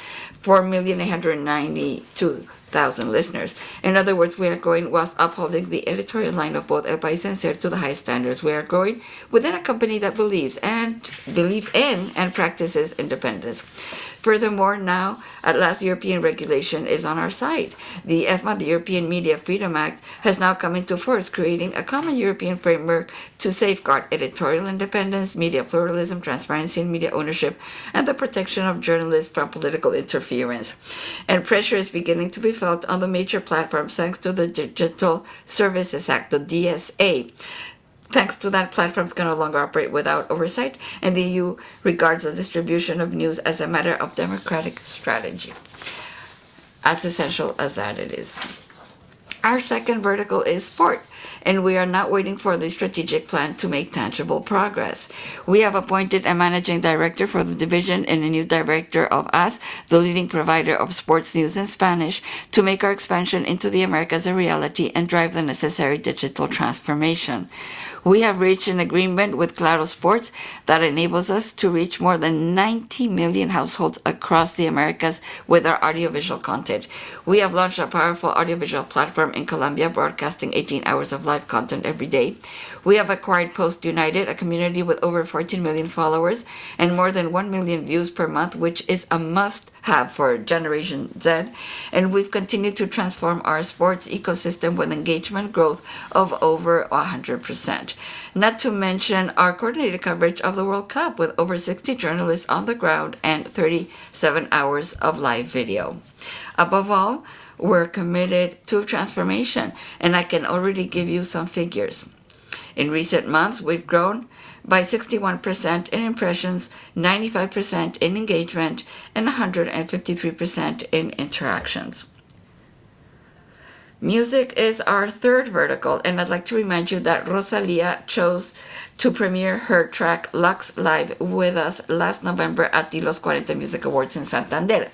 4,892,000 listeners. In other words, we are growing whilst upholding the editorial line of both El País and SER to the highest standards. We are growing within a company that believes in and practices independence. Furthermore, now at last, European regulation is on our side. The EMFA, the European Media Freedom Act, has now come into force, creating a common European framework to safeguard editorial independence, media pluralism, transparency in media ownership, and the protection of journalists from political interference. Pressure is beginning to be felt on the major platforms, thanks to the Digital Services Act, the DSA. Thanks to that, platforms can no longer operate without oversight. The EU regards the distribution of news as a matter of democratic strategy. As essential as that it is. Our second vertical is sport. We are not waiting for the strategic plan to make tangible progress. We have appointed a managing director for the division and a new director of AS, the leading provider of sports news in Spanish, to make our expansion into the Americas a reality and drive the necessary digital transformation. We have reached an agreement with Claro Sports that enables us to reach more than 90 million households across the Americas with our audiovisual content. We have launched a powerful audiovisual platform in Colombia, broadcasting 18 hours of live content every day. We have acquired Post United, a community with over 14 million followers and more than 1 million views per month, which is a must-have for Generation Z. We've continued to transform our sports ecosystem with engagement growth of over 100%. Not to mention our coordinated coverage of the World Cup, with over 60 journalists on the ground and 37 hours of live video. Above all, we're committed to transformation. I can already give you some figures. In recent months, we've grown by 61% in impressions, 95% in engagement, and 153% in interactions. Music is our third vertical. I'd like to remind you that Rosalía chose to premiere her track "Lux" live with us last November at the LOS40 Music Awards in Santander.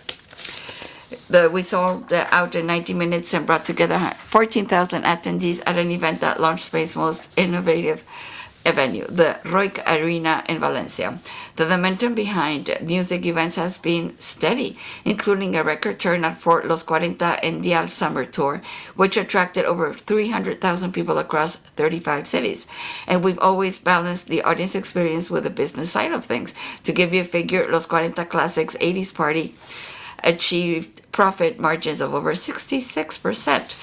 We sold out in 90 minutes and brought together 14,000 attendees at an event that launched space's most innovative venue, the Roig Arena in Valencia. The momentum behind music events has been steady, including a record turnout for LOS40 Summer Live, which attracted over 300,000 people across 35 cities. We've always balanced the audience experience with the business side of things. To give you a figure, LOS40 Classic '80s Party achieved profit margins of over 66%.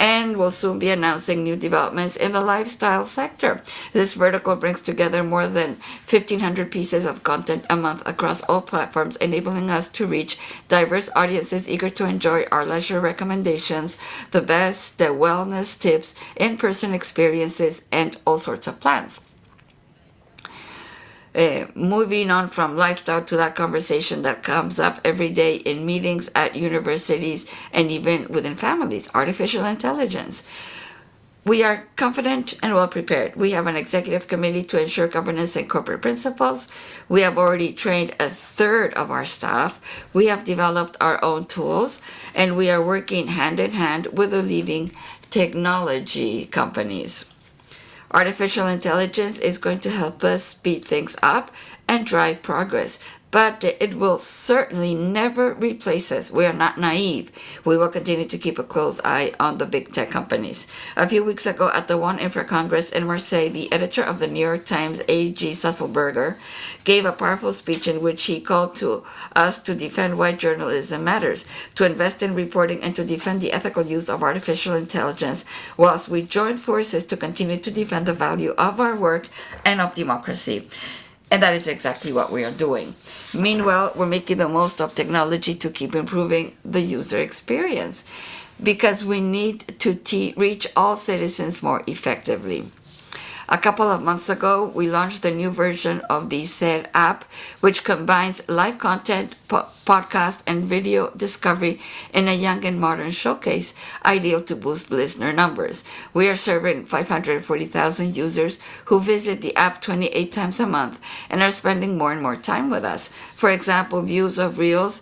We'll soon be announcing new developments in the lifestyle sector. This vertical brings together more than 1,500 pieces of content a month across all platforms, enabling us to reach diverse audiences eager to enjoy our leisure recommendations, the best, the wellness tips, in-person experiences, and all sorts of plans. Moving on from lifestyle to that conversation that comes up every day in meetings at universities and even within families, artificial intelligence. We are confident and well-prepared. We have an executive committee to ensure governance and corporate principles. We have already trained a third of our staff. We have developed our own tools, and we are working hand in hand with the leading technology companies. Artificial intelligence is going to help us speed things up and drive progress, but it will certainly never replace us. We are not naive. We will continue to keep a close eye on the big tech companies. A few weeks ago at the WAN-IFRA Congress in Marseille, the editor of The New York Times, A.G. Sulzberger, gave a powerful speech in which he called to us to defend why journalism matters, to invest in reporting, and to defend the ethical use of artificial intelligence whilst we join forces to continue to defend the value of our work and of democracy. That is exactly what we are doing. Meanwhile, we're making the most of technology to keep improving the user experience, because we need to reach all citizens more effectively. A couple of months ago, we launched the new version of the SER app, which combines live content, podcast, and video discovery in a young and modern showcase ideal to boost listener numbers. We are serving 540,000 users who visit the app 28 times a month and are spending more and more time with us. For example, views of reels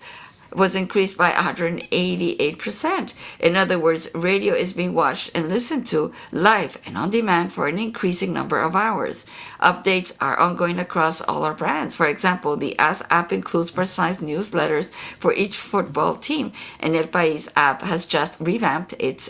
was increased by 188%. In other words, radio is being watched and listened to live and on-demand for an increasing number of hours. Updates are ongoing across all our brands. For example, the AS app includes personalized newsletters for each football team, and El País app has just revamped its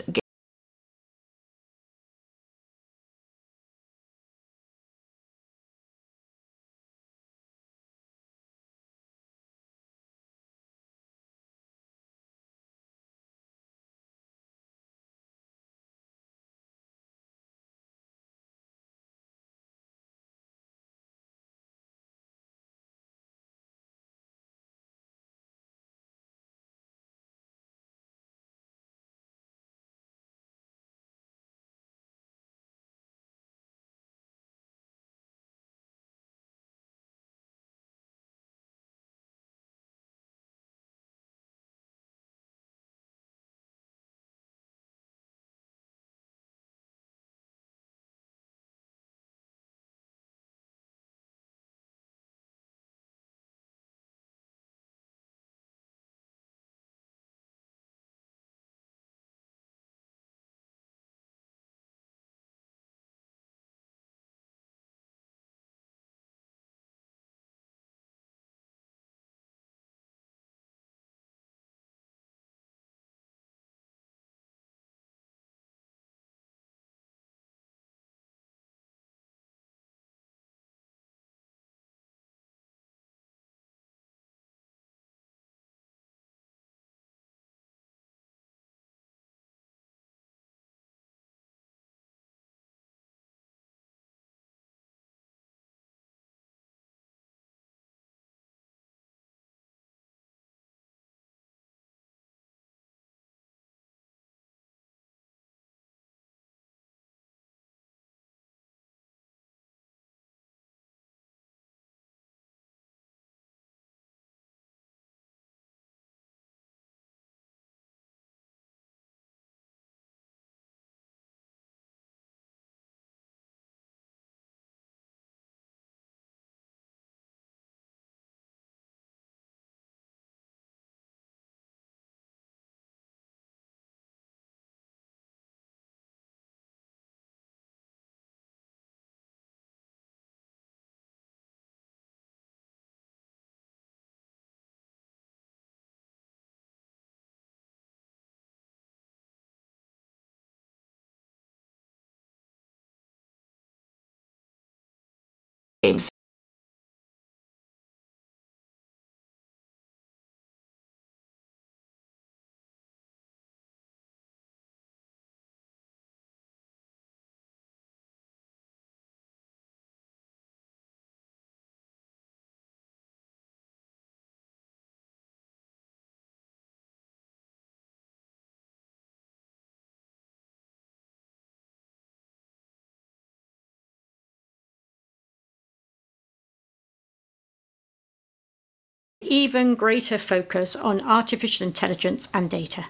Even greater focus on artificial intelligence and data.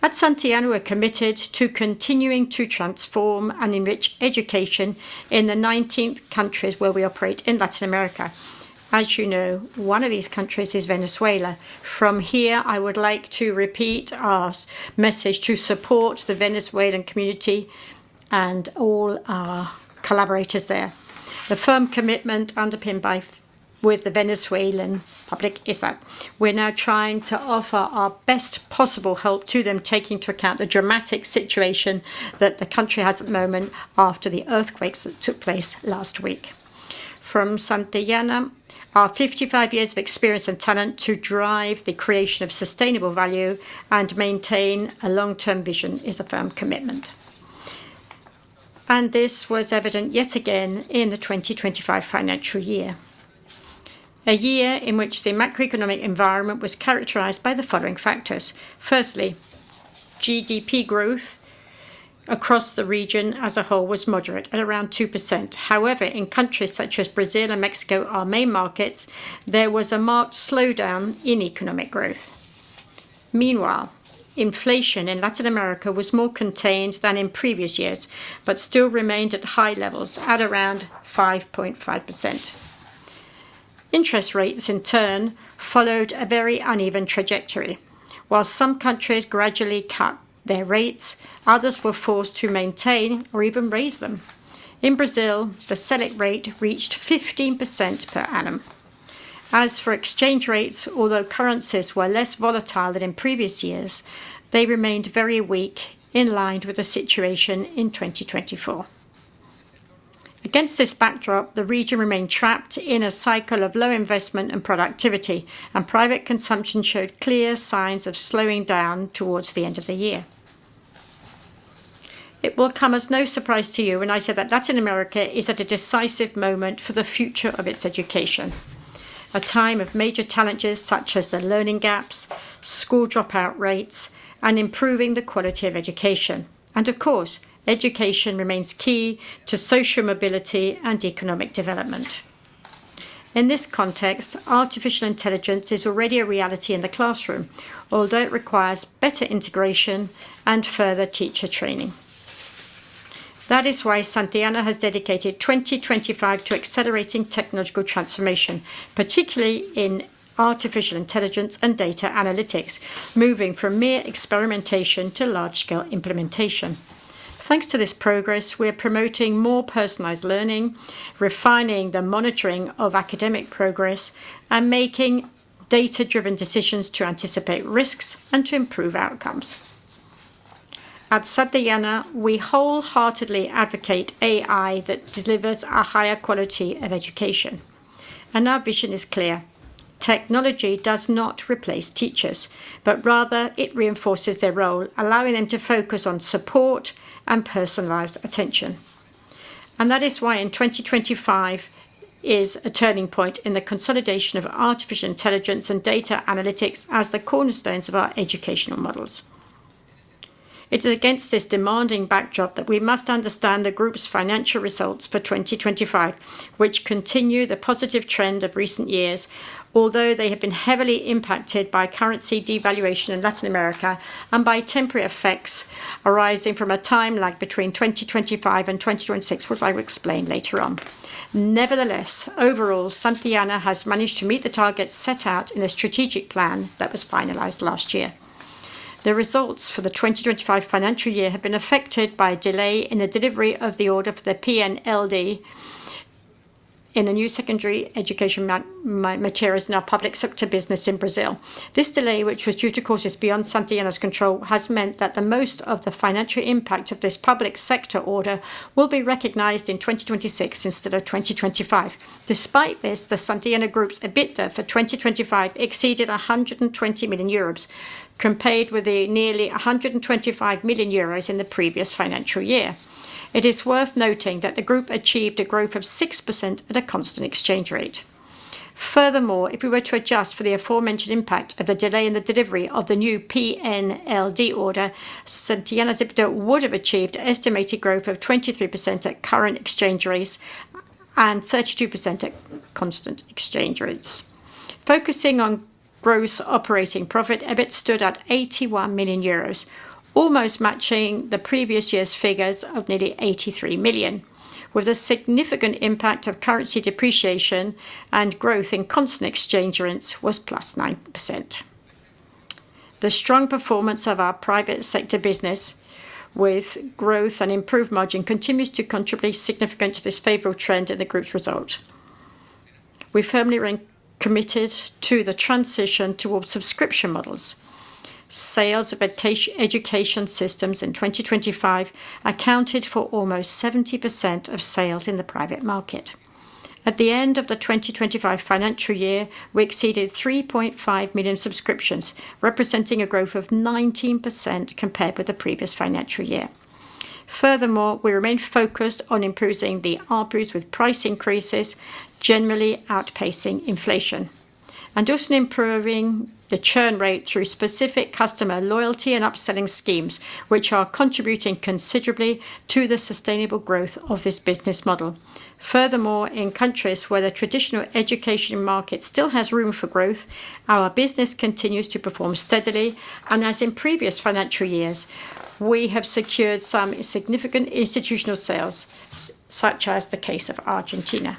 At Santillana, we're committed to continuing to transform and enrich education in the 19 countries where we operate in Latin America. As you know, one of these countries is Venezuela. From here, I would like to repeat our message to support the Venezuelan community and all our collaborators there. The firm commitment underpinned with the Venezuelan public is that we're now trying to offer our best possible help to them, taking into account the dramatic situation that the country has at the moment after the earthquakes that took place last week. From Santillana, our 55 years of experience and talent to drive the creation of sustainable value and maintain a long-term vision is a firm commitment. This was evident yet again in the 2025 financial year. A year in which the macroeconomic environment was characterized by the following factors. Firstly, GDP growth across the region as a whole was moderate at around 2%. However, in countries such as Brazil and Mexico, our main markets, there was a marked slowdown in economic growth. Meanwhile, inflation in Latin America was more contained than in previous years, but still remained at high levels at around 5.5%. Interest rates, in turn, followed a very uneven trajectory. While some countries gradually cut their rates, others were forced to maintain or even raise them. In Brazil, the Selic rate reached 15% per annum. As for exchange rates, although currencies were less volatile than in previous years, they remained very weak in line with the situation in 2024. Against this backdrop, the region remained trapped in a cycle of low investment and productivity, and private consumption showed clear signs of slowing down towards the end of the year. It will come as no surprise to you when I say that Latin America is at a decisive moment for the future of its education A time of major challenges such as the learning gaps, school dropout rates, and improving the quality of education. Of course, education remains key to social mobility and economic development. In this context, artificial intelligence is already a reality in the classroom, although it requires better integration and further teacher training. That is why Santillana has dedicated 2025 to accelerating technological transformation, particularly in artificial intelligence and data analytics, moving from mere experimentation to large-scale implementation. Thanks to this progress, we are promoting more personalized learning, refining the monitoring of academic progress, and making data-driven decisions to anticipate risks and to improve outcomes. At Santillana, we wholeheartedly advocate AI that delivers a higher quality of education. Our vision is clear. Technology does not replace teachers, but rather it reinforces their role, allowing them to focus on support and personalized attention. That is why in 2025 is a turning point in the consolidation of artificial intelligence and data analytics as the cornerstones of our educational models. It is against this demanding backdrop that we must understand the group's financial results for 2025, which continue the positive trend of recent years, although they have been heavily impacted by currency devaluation in Latin America and by temporary effects arising from a time lag between 2025 and 2026, which I will explain later on. Nevertheless, overall, Santillana has managed to meet the targets set out in a strategic plan that was finalized last year. The results for the 2025 financial year have been affected by a delay in the delivery of the order for the PNLD in the new secondary education materials in our public sector business in Brazil. This delay, which was due to causes beyond Santillana's control, has meant that most of the financial impact of this public sector order will be recognized in 2026 instead of 2025. Despite this, the Santillana Group's EBITDA for 2025 exceeded 120 million euros compared with the nearly 125 million euros in the previous financial year. It is worth noting that the group achieved a growth of 6% at a constant exchange rate. Furthermore, if we were to adjust for the aforementioned impact of the delay in the delivery of the new PNLD order, Santillana's EBITDA would have achieved estimated growth of 23% at current exchange rates and 32% at constant exchange rates. Focusing on gross operating profit, EBIT stood at 81 million euros, almost matching the previous year's figures of nearly 83 million, with a significant impact of currency depreciation and growth in constant exchange rates was +9%. The strong performance of our private sector business with growth and improved margin continues to contribute significantly to this favorable trend in the group's result. We firmly remain committed to the transition towards subscription models. Sales of education systems in 2025 accounted for almost 70% of sales in the private market. At the end of the 2025 financial year, we exceeded 3.5 million subscriptions, representing a growth of 19% compared with the previous financial year. Furthermore, we remain focused on improving the ARPU with price increases, generally outpacing inflation, and also improving the churn rate through specific customer loyalty and upselling schemes, which are contributing considerably to the sustainable growth of this business model. Furthermore, in countries where the traditional education market still has room for growth, our business continues to perform steadily, and as in previous financial years, we have secured some significant institutional sales, such as the case of Argentina.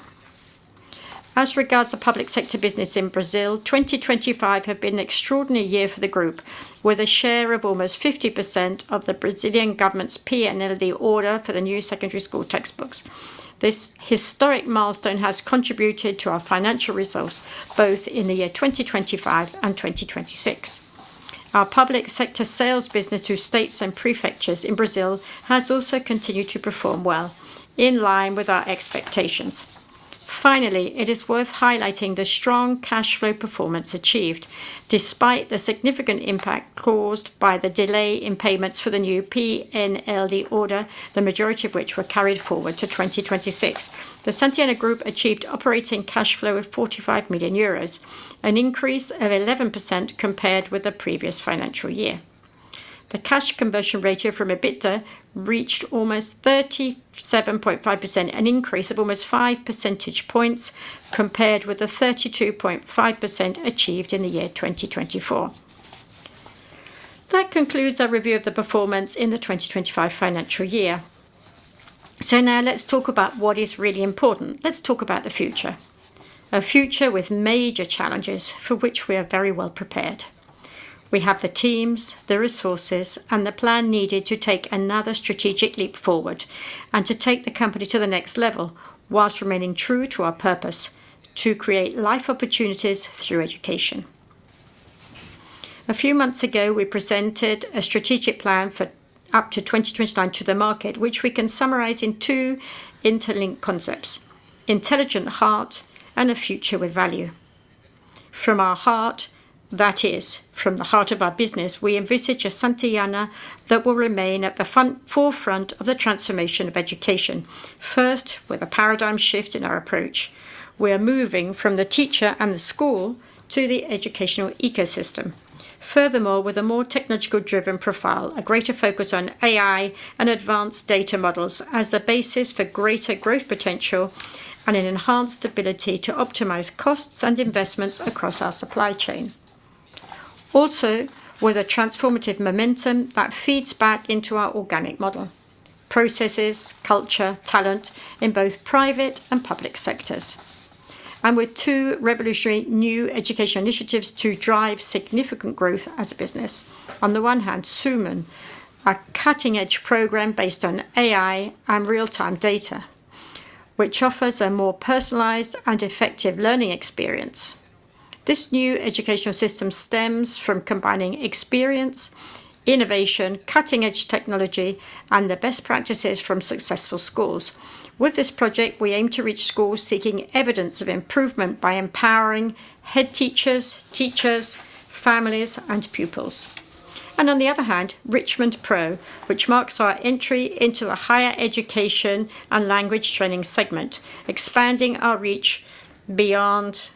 As regards to public sector business in Brazil, 2025 has been an extraordinary year for the group, with a share of almost 50% of the Brazilian government's PNLD order for the new secondary school textbooks. This historic milestone has contributed to our financial results both in the year 2025 and 2026. Our public sector sales business through states and prefectures in Brazil has also continued to perform well, in line with our expectations. Finally, it is worth highlighting the strong cash flow performance achieved, despite the significant impact caused by the delay in payments for the new PNLD order, the majority of which were carried forward to 2026. The Santillana Group achieved operating cash flow of 45 million euros, an increase of 11% compared with the previous financial year. The cash conversion ratio from EBITDA reached almost 37.5%, an increase of almost five percentage points compared with the 32.5% achieved in the year 2024. That concludes our review of the performance in the 2025 financial year. Now let's talk about what is really important. Let's talk about the future, a future with major challenges for which we are very well prepared. We have the teams, the resources, and the plan needed to take another strategic leap forward and to take the company to the next level whilst remaining true to our purpose to create life opportunities through education. A few months ago, we presented a strategic plan for up to 2029 to the market, which we can summarize in two interlinked concepts, intelligent heart and a future with value. From our heart, that is from the heart of our business, we envisage a Santillana that will remain at the forefront of the transformation of education. First, with a paradigm shift in our approach. We are moving from the teacher and the school to the educational ecosystem. Furthermore, with a more technological-driven profile, a greater focus on AI and advanced data models as the basis for greater growth potential and an enhanced ability to optimize costs and investments across our supply chain. Also, with a transformative momentum that feeds back into our organic model, processes, culture, talent in both private and public sectors. And with two revolutionary new education initiatives to drive significant growth as a business. On the one hand, SUMAN, our cutting-edge program based on AI and real-time data, which offers a more personalized and effective learning experience. This new educational system stems from combining experience, innovation, cutting-edge technology, and the best practices from successful schools. With this project, we aim to reach schools seeking evidence of improvement by empowering head teachers, families, and pupils. On the other hand, Richmond Pro, which marks our entry into a higher education and language training segment, expanding our reach beyond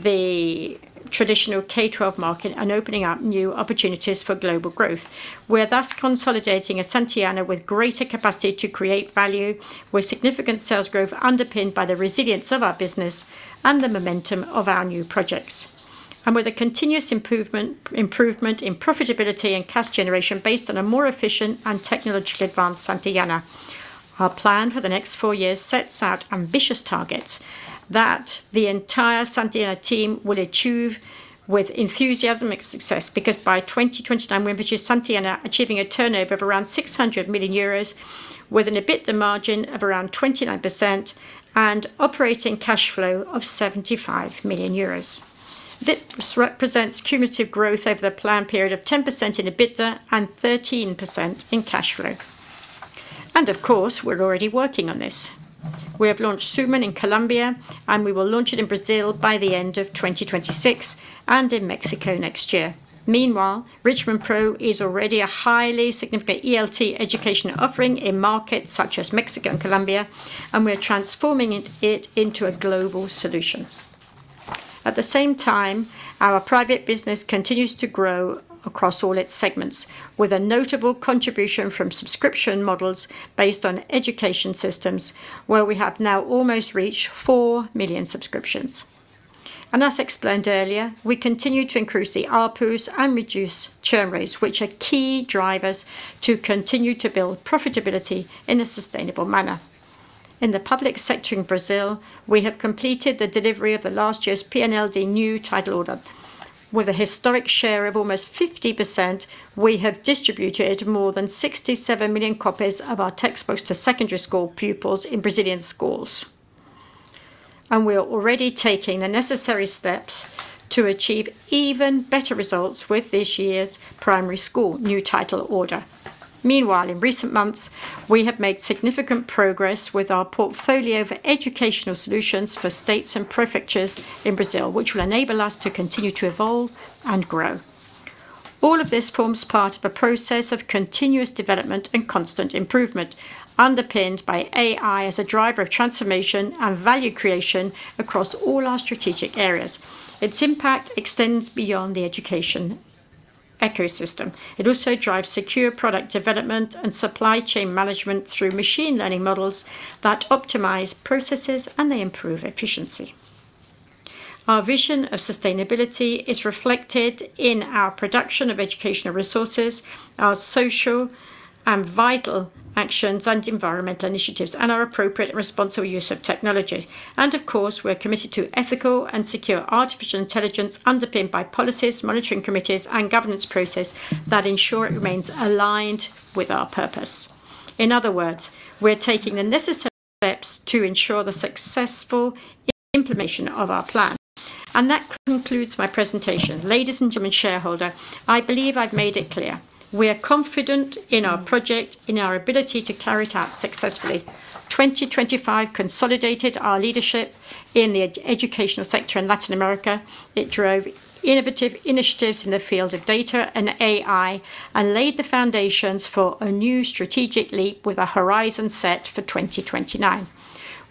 the traditional K-12 market and opening up new opportunities for global growth. We're thus consolidating a Santillana with greater capacity to create value with significant sales growth underpinned by the resilience of our business and the momentum of our new projects. With a continuous improvement in profitability and cash generation based on a more efficient and technologically advanced Santillana. Our plan for the next four years sets out ambitious targets that the entire Santillana team will achieve with enthusiasm and success, because by 2029, we envision Santillana achieving a turnover of around 600 million euros with an EBITDA margin of around 29% and operating cash flow of 75 million euros. This represents cumulative growth over the plan period of 10% in EBITDA and 13% in cash flow. Of course, we're already working on this. We have launched SUMAN in Colombia, and we will launch it in Brazil by the end of 2026 and in Mexico next year. Meanwhile, Richmond Pro is already a highly significant ELT education offering in markets such as Mexico and Colombia, and we are transforming it into a global solution. At the same time, our private business continues to grow across all its segments with a notable contribution from subscription models based on education systems where we have now almost reached 4 million subscriptions. As explained earlier, we continue to increase the ARPU and reduce churn rates, which are key drivers to continue to build profitability in a sustainable manner. In the public sector in Brazil, we have completed the delivery of the last year's PNLD new title order. With a historic share of almost 50%, we have distributed more than 67 million copies of our textbooks to secondary school pupils in Brazilian schools. We are already taking the necessary steps to achieve even better results with this year's primary school new title order. Meanwhile, in recent months, we have made significant progress with our portfolio for educational solutions for states and prefectures in Brazil, which will enable us to continue to evolve and grow. All of this forms part of a process of continuous development and constant improvement, underpinned by AI as a driver of transformation and value creation across all our strategic areas. Its impact extends beyond the education ecosystem. It also drives secure product development and supply chain management through machine learning models that optimize processes, and they improve efficiency. Our vision of sustainability is reflected in our production of educational resources, our social and vital actions and environmental initiatives, and our appropriate and responsible use of technologies. Of course, we're committed to ethical and secure artificial intelligence underpinned by policies, monitoring committees, and governance process that ensure it remains aligned with our purpose. In other words, we're taking the necessary steps to ensure the successful implementation of our plan. That concludes my presentation. Ladies and gentlemen, shareholder, I believe I've made it clear we are confident in our project, in our ability to carry it out successfully. 2025 consolidated our leadership in the educational sector in Latin America. It drove innovative initiatives in the field of data and AI and laid the foundations for a new strategic leap with a horizon set for 2029.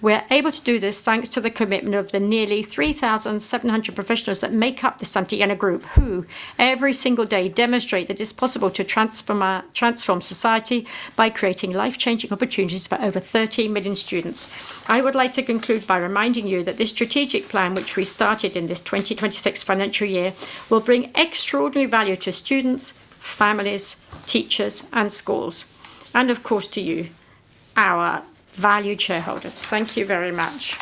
We're able to do this thanks to the commitment of the nearly 3,700 professionals that make up the Santillana Group, who every single day demonstrate that it's possible to transform society by creating life-changing opportunities for over 30 million students. I would like to conclude by reminding you that this strategic plan, which we started in this 2026 financial year, will bring extraordinary value to students, families, teachers, and schools, and of course, to you, our valued shareholders. Thank you very much.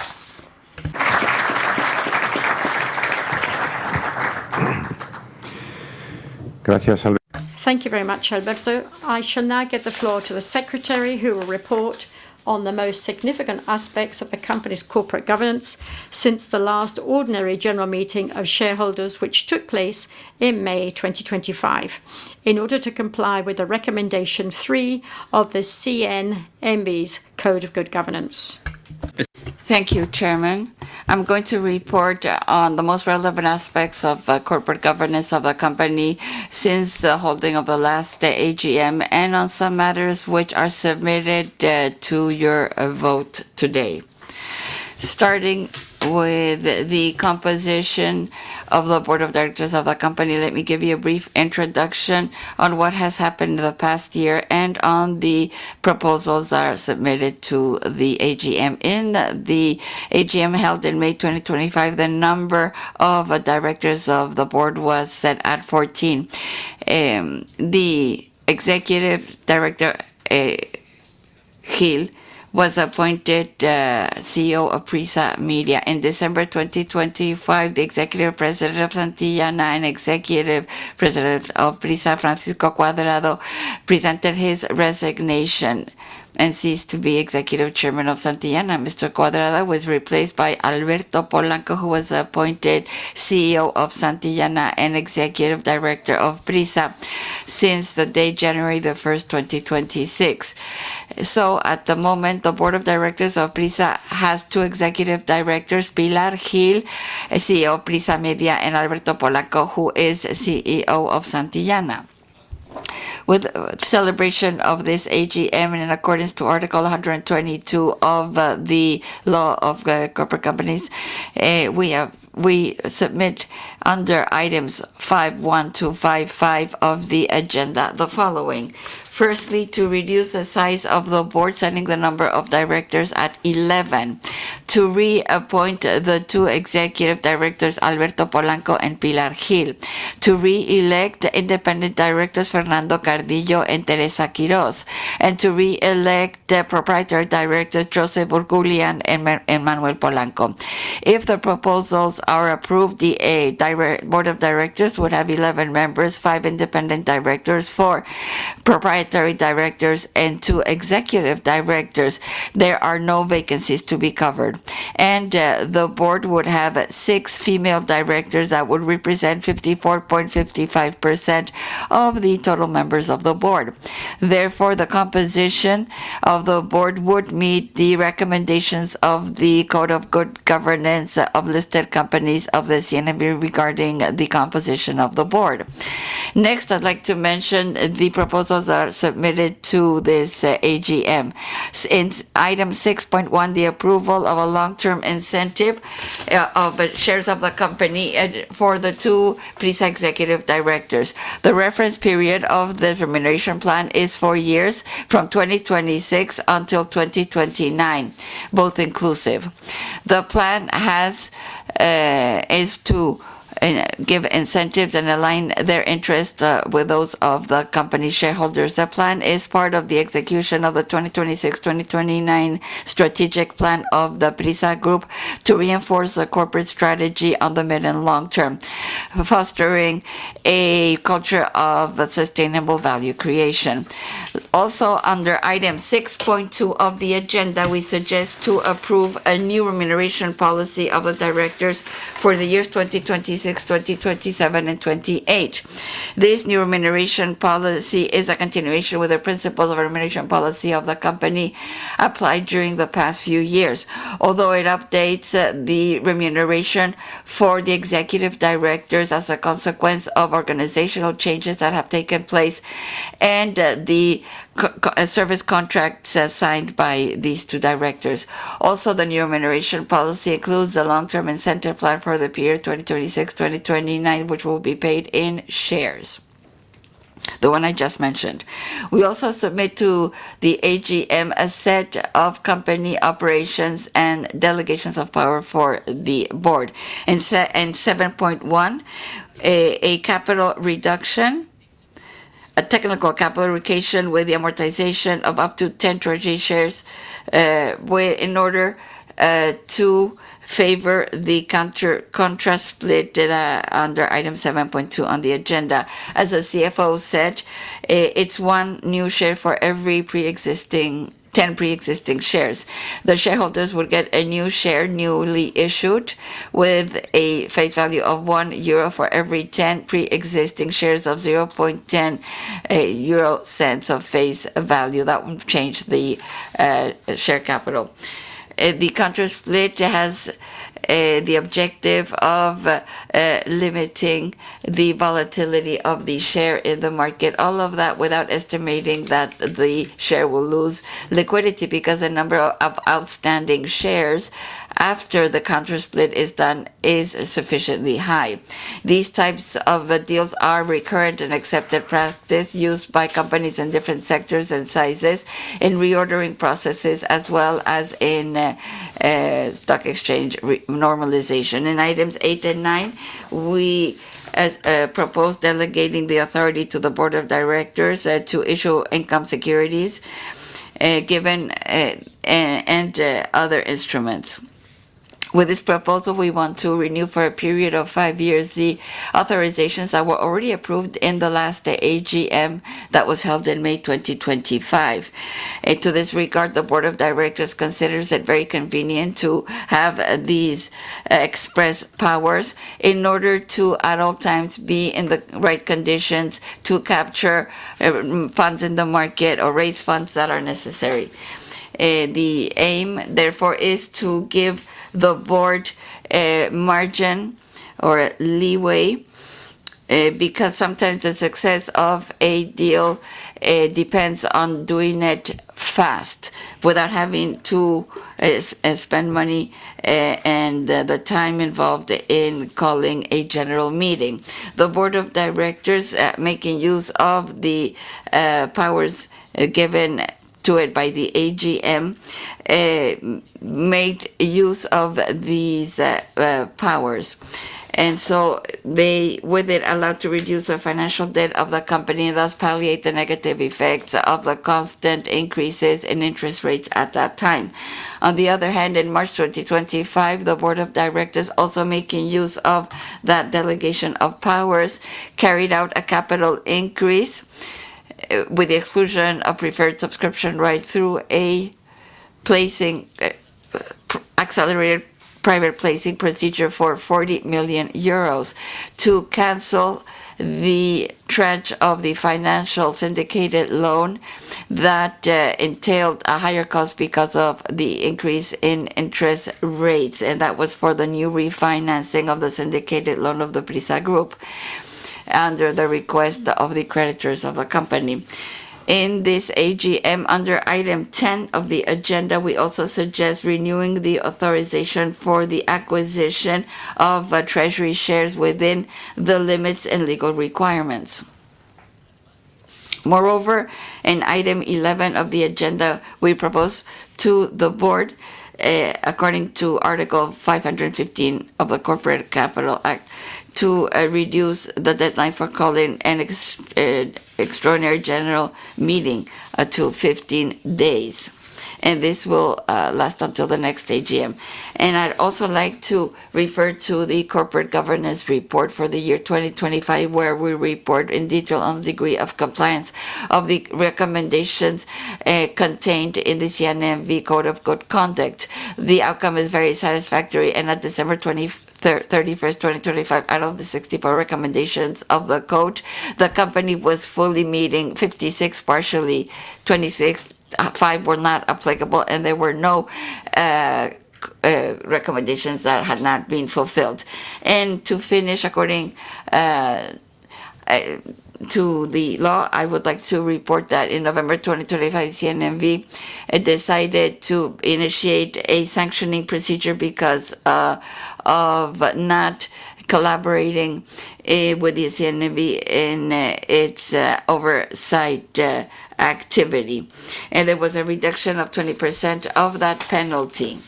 Gracias, Alberto. Thank you very much, Alberto. I shall now give the floor to the Secretary who will report on the most significant aspects of the company's corporate governance since the last ordinary general meeting of shareholders, which took place in May 2025, in order to comply with the recommendation three of the CNMV's Code of Good Governance. Thank you, Chairman. I'm going to report on the most relevant aspects of corporate governance of the company since the holding of the last AGM and on some matters which are submitted to your vote today. Starting with the composition of the board of directors of the company, let me give you a brief introduction on what has happened in the past year and on the proposals that are submitted to the AGM. In the AGM held in May 2025, the number of directors of the board was set at 14. The Executive Director, Gil, was appointed CEO of PRISA Media. In December 2025, the Executive President of Santillana and Executive President of PRISA, Francisco Cuadrado, presented his resignation and ceased to be Executive Chairman of Santillana. Mr. Cuadrado was replaced by Alberto Polanco, who was appointed CEO of Santillana and Executive Director of PRISA since January the 1st, 2026. At the moment, the board of directors of PRISA has two Executive Directors, Pilar Gil, CEO of PRISA Media, and Alberto Polanco, who is CEO of Santillana. With celebration of this AGM and in accordance to Article 122 of the Capital Companies Act, we submit under items 5.1 to 5.5 of the agenda, the following. Firstly, to reduce the size of the board, setting the number of directors at 11, to reappoint the two Executive Directors, Alberto Polanco and Pilar Gil, to re-elect the Independent Directors, Fernando Carrillo and Teresa Quirós, and to re-elect the Proprietary Directors, Joseph Oughourlian and Manuel Polanco. If the proposals are approved, the board of directors would have 11 members, five independent directors, four proprietary directors, and two executive directors. There are no vacancies to be covered. The board would have six female directors that would represent 54.55% of the total members of the board. Therefore, the composition of the board would meet the recommendations of the Good Governance Code of Listed Companies of the CNMV regarding the composition of the board. Next, I'd like to mention the proposals that are submitted to this AGM. In item 6.1, the approval of a long-term incentive of shares of the company for the two PRISA Executive Directors. The reference period of the remuneration plan is four years, from 2026 until 2029, both inclusive. The plan is to give incentives and align their interest with those of the company shareholders. The plan is part of the execution of the 2026-2029 strategic plan of the PRISA Group to reinforce the corporate strategy on the mid and long term, fostering a culture of sustainable value creation. Under item 6.2 of the agenda, we suggest to approve a new remuneration policy of the directors for the years 2026, 2027, and 2028. This new remuneration policy is a continuation with the principles of remuneration policy of the company applied during the past few years. It updates the remuneration for the executive directors as a consequence of organizational changes that have taken place and the service contracts signed by these two directors. The new remuneration policy includes the long-term incentive plan for the period 2026-2029, which will be paid in shares, the one I just mentioned. We also submit to the AGM a set of company operations and delegations of power for the board. In 7.1, a capital reduction, a technical capital reduction with the amortization of up to 10 treasury shares in order to favor the contract split under item 7.2 on the agenda. As the CFO said, it's one new share for every 10 preexisting shares. The shareholders will get a new share, newly issued, with a face value of 1 euro for every 10 preexisting shares of 0.10 of face value. That will change the share capital. The contract split has the objective of limiting the volatility of the share in the market. All of that without estimating that the share will lose liquidity, because the number of outstanding shares after the contract split is done is sufficiently high. These types of deals are recurrent and accepted practice used by companies in different sectors and sizes in reordering processes as well as in stock exchange normalization. In items eight and nine, we propose delegating the authority to the board of directors to issue income securities and other instruments. With this proposal, we want to renew for a period of five years the authorizations that were already approved in the last AGM that was held in May 2025. To this regard, the board of directors considers it very convenient to have these express powers in order to, at all times, be in the right conditions to capture funds in the market or raise funds that are necessary. The aim, therefore, is to give the board a margin or a leeway. Sometimes the success of a deal depends on doing it fast without having to spend money and the time involved in calling a general meeting. The board of directors, making use of the powers given to it by the AGM, made use of these powers. They were then allowed to reduce the financial debt of the company, thus palliate the negative effects of the constant increases in interest rates at that time. On the other hand, in March 2025, the board of directors, also making use of that delegation of powers, carried out a capital increase with the exclusion of preferred subscription right through an accelerated private placing procedure for 40 million euros to cancel the tranche of the financial syndicated loan that entailed a higher cost because of the increase in interest rates. That was for the new refinancing of the syndicated loan of the PRISA group, under the request of the creditors of the company. In this AGM, under item 10 of the agenda, we also suggest renewing the authorization for the acquisition of treasury shares within the limits and legal requirements. Moreover, in item 11 of the agenda, we propose to the board, according to Article 515 of the Capital Companies Act, to reduce the deadline for calling an extraordinary general meeting to 15 days, and this will last until the next AGM. I'd also like to refer to the corporate governance report for the year 2025, where we report in detail on the degree of compliance of the recommendations contained in the CNMV Good Governance Code of Listed Companies. The outcome is very satisfactory, and at December 31st, 2025, out of the 64 recommendations of the code, the company was fully meeting 56, partially 26, five were not applicable, and there were no recommendations that had not been fulfilled. To finish according to the law, I would like to report that in November 2025, CNMV decided to initiate a sanctioning procedure because of not collaborating with the CNMV in its oversight activity. There was a reduction of 20% of that penalty.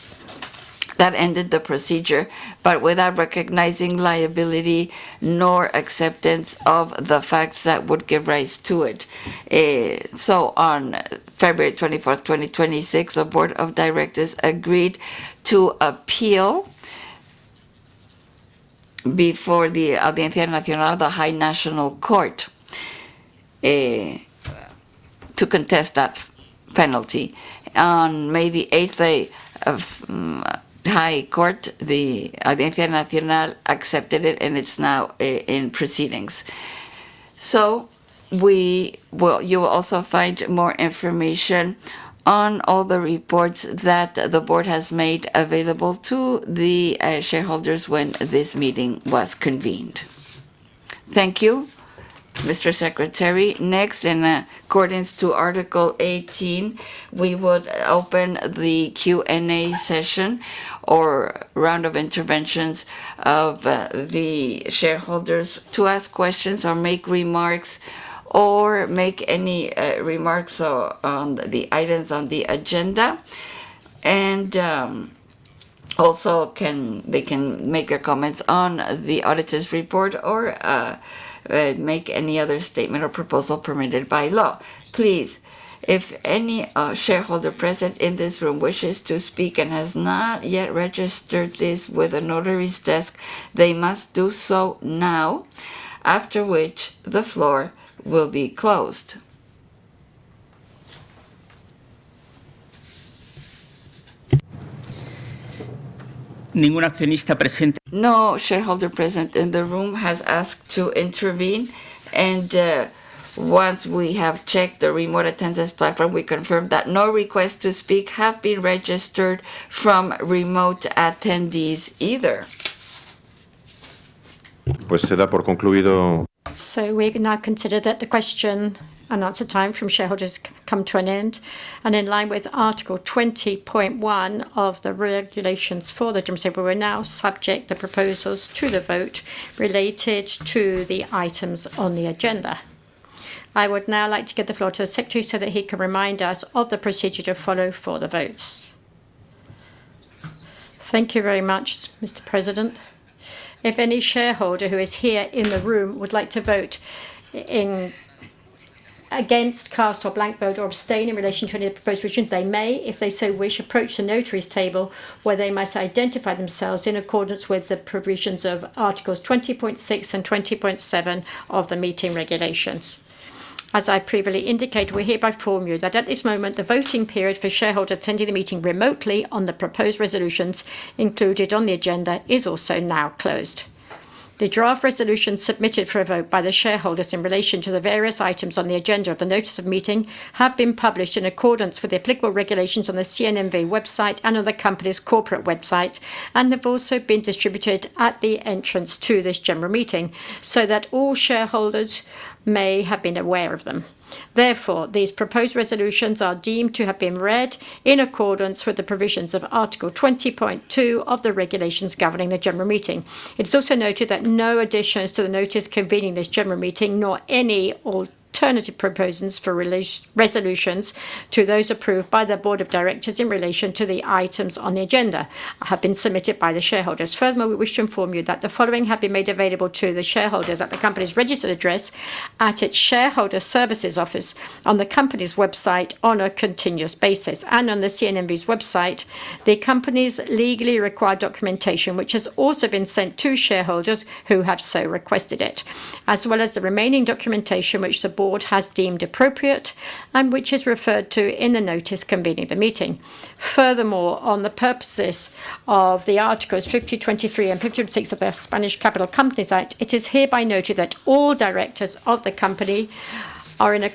That ended the procedure, but without recognizing liability nor acceptance of the facts that would give rise to it. On February 24th, 2026, the board of directors agreed to appeal before the Audiencia Nacional, the High National Court, to contest that penalty. On May the 8th day of High Court, the Audiencia Nacional accepted it, and it's now in proceedings. You will also find more information on all the reports that the board has made available to the shareholders when this meeting was convened. Thank you, Mr. Secretary. Next, in accordance to Article 18, we would open the Q&A session or round of interventions of the shareholders to ask questions or make remarks, or make any remarks on the items on the agenda. Also, they can make comments on the auditor's report or make any other statement or proposal permitted by law. Please, if any shareholder present in this room wishes to speak and has not yet registered this with the notary's desk, they must do so now, after which the floor will be closed. No shareholder present in the room has asked to intervene. Once we have checked the remote attendance platform, we confirm that no requests to speak have been registered from remote attendees either. We can now consider that the question and answer time from shareholders come to an end. In line with Article 20.1 of the regulations for the general assembly, we now subject the proposals to the vote related to the items on the agenda. I would now like to give the floor to the secretary so that he can remind us of the procedure to follow for the votes. Thank you very much, Mr. President. If any shareholder who is here in the room would like to vote against, cast or blank vote, or abstain in relation to any of the proposed resolutions, they may, if they so wish, approach the notary's table, where they must identify themselves in accordance with the provisions of Articles 20.6 and 20.7 of the meeting regulations. As I previously indicated, we hereby inform you that at this moment, the voting period for shareholders attending the meeting remotely on the proposed resolutions included on the agenda is also now closed. The draft resolution submitted for a vote by the shareholders in relation to the various items on the agenda of the notice of meeting have been published in accordance with the applicable regulations on the CNMV website and on the company's corporate website, and have also been distributed at the entrance to this general meeting so that all shareholders may have been aware of them. These proposed resolutions are deemed to have been read in accordance with the provisions of Article 20.2 of the regulations governing the general meeting. It is also noted that no additions to the notice convening this general meeting, nor any alternative proposals for resolutions to those approved by the board of directors in relation to the items on the agenda, have been submitted by the shareholders. Furthermore, we wish to inform you that the following have been made available to the shareholders at the company's registered address, at its shareholder services office, on the company's website on a continuous basis, and on the CNMV's website, the company's legally required documentation, which has also been sent to shareholders who have so requested it, as well as the remaining documentation which the board has deemed appropriate and which is referred to in the notice convening the meeting. For the purposes of Articles 50.23 and 50.26 of the Spanish Capital Companies Act, it is hereby noted that all directors of the company are in a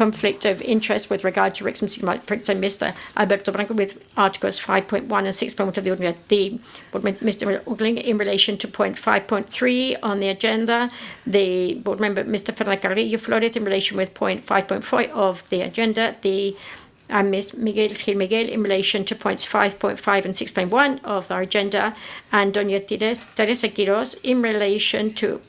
conflict of interest with regard to Mr. Alberto Blanco with Articles 5.1 and 6.1 of the, Mr. Oughourlian in relation to point 5.3 on the agenda, the board member Mr. Fernando Carrillo Flórez in relation with point 5.5 of the agenda, and Ms. Pilar Gil Miguel in relation to points 5.5 and 6.1 of the agenda. Doña Teresa Quirós in relation to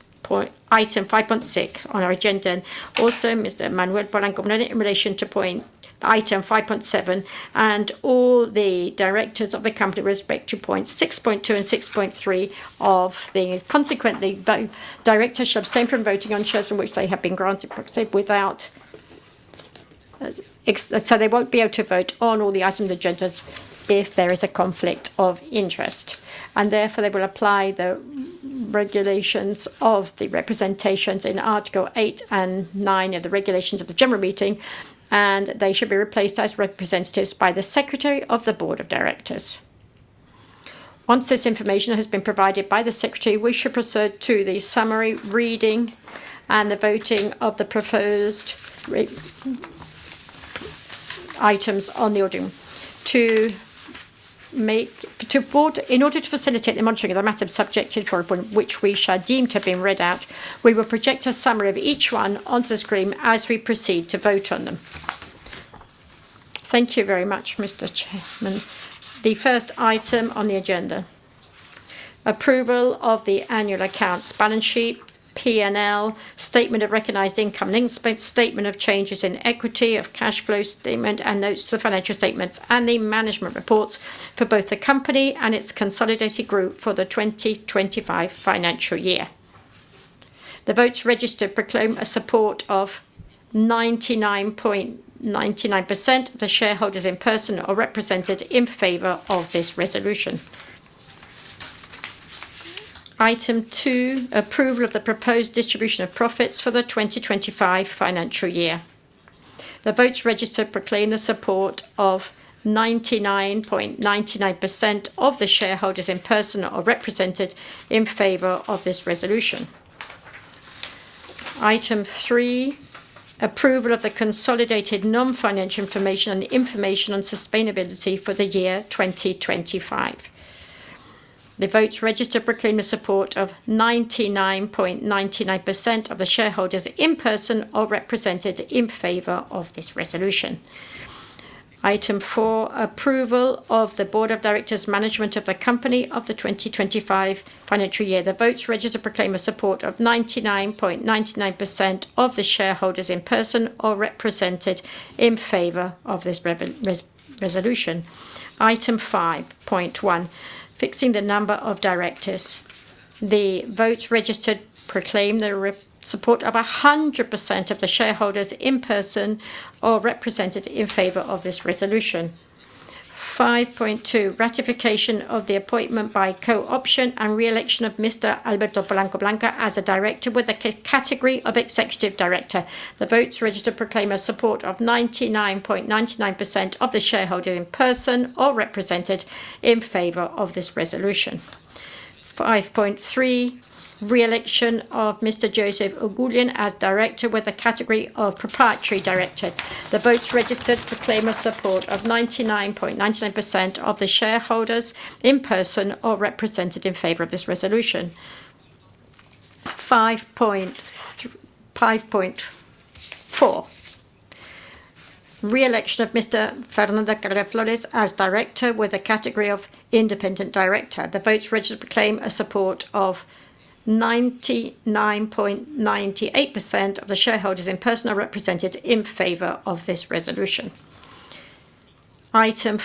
item 5.6 on our agenda, and also Mr. Manuel Polanco Moreno in relation to item 5.7, and all the directors of the company with respect to points 6.2 and 6.3 of the Consequently, directors shall abstain from voting on shares on which they have been granted proxy, so they won't be able to vote on all the items on the agendas if there is a conflict of interest. Therefore, they will apply the regulations of the representations in Article eight and nine of the regulations of the general meeting, and they should be replaced as representatives by the Secretary of the Board of Directors. Once this information has been provided by the Secretary, we shall proceed to the summary reading and the voting of the proposed items on the. In order to facilitate the monitoring of the matter subjected for a vote, which we shall deem to have been read out, we will project a summary of each one onto the screen as we proceed to vote on them. Thank you very much, Mr. Chairman. The first item on the agenda, approval of the annual accounts, balance sheet, P&L, statement of recognized income, statement of changes in equity, of cash flow statement, and notes to the financial statements and the management reports for both the company and its consolidated group for the 2025 financial year. The votes registered proclaim a support of 99.99% of the shareholders in person or represented in favor of this resolution. Item two, approval of the proposed distribution of profits for the 2025 financial year. The votes registered proclaim the support of 99.99% of the shareholders in person or represented in favor of this resolution. Item three, approval of the consolidated non-financial information and information on sustainability for the year 2025. The votes registered proclaim the support of 99.99% of the shareholders in person or represented in favor of this resolution. Item four, approval of the Board of Directors' management of the company of the 2025 financial year. The votes registered proclaim a support of 99.99% of the shareholders in person or represented in favor of this resolution. Item 5.1, fixing the number of directors. The votes registered proclaim the support of 100% of the shareholders in person or represented in favor of this resolution. 5.2, ratification of the appointment by co-option and re-election of Mr. Alberto Polanco Blanco as a director with a category of executive director. The votes registered proclaim a support of 99.99% of the shareholder in person or represented in favor of this resolution. 5.3, re-election of Mr. Joseph Oughourlian as director with a category of proprietary director. The votes registered proclaim a support of 99.99% of the shareholders in person or represented in favor of this resolution. 5.4, re-election of Mr. Fernando Carrillo Flórez as director with a category of independent director. The votes registered proclaim a support of 99.98% of the shareholders in person or represented in favor of this resolution. Item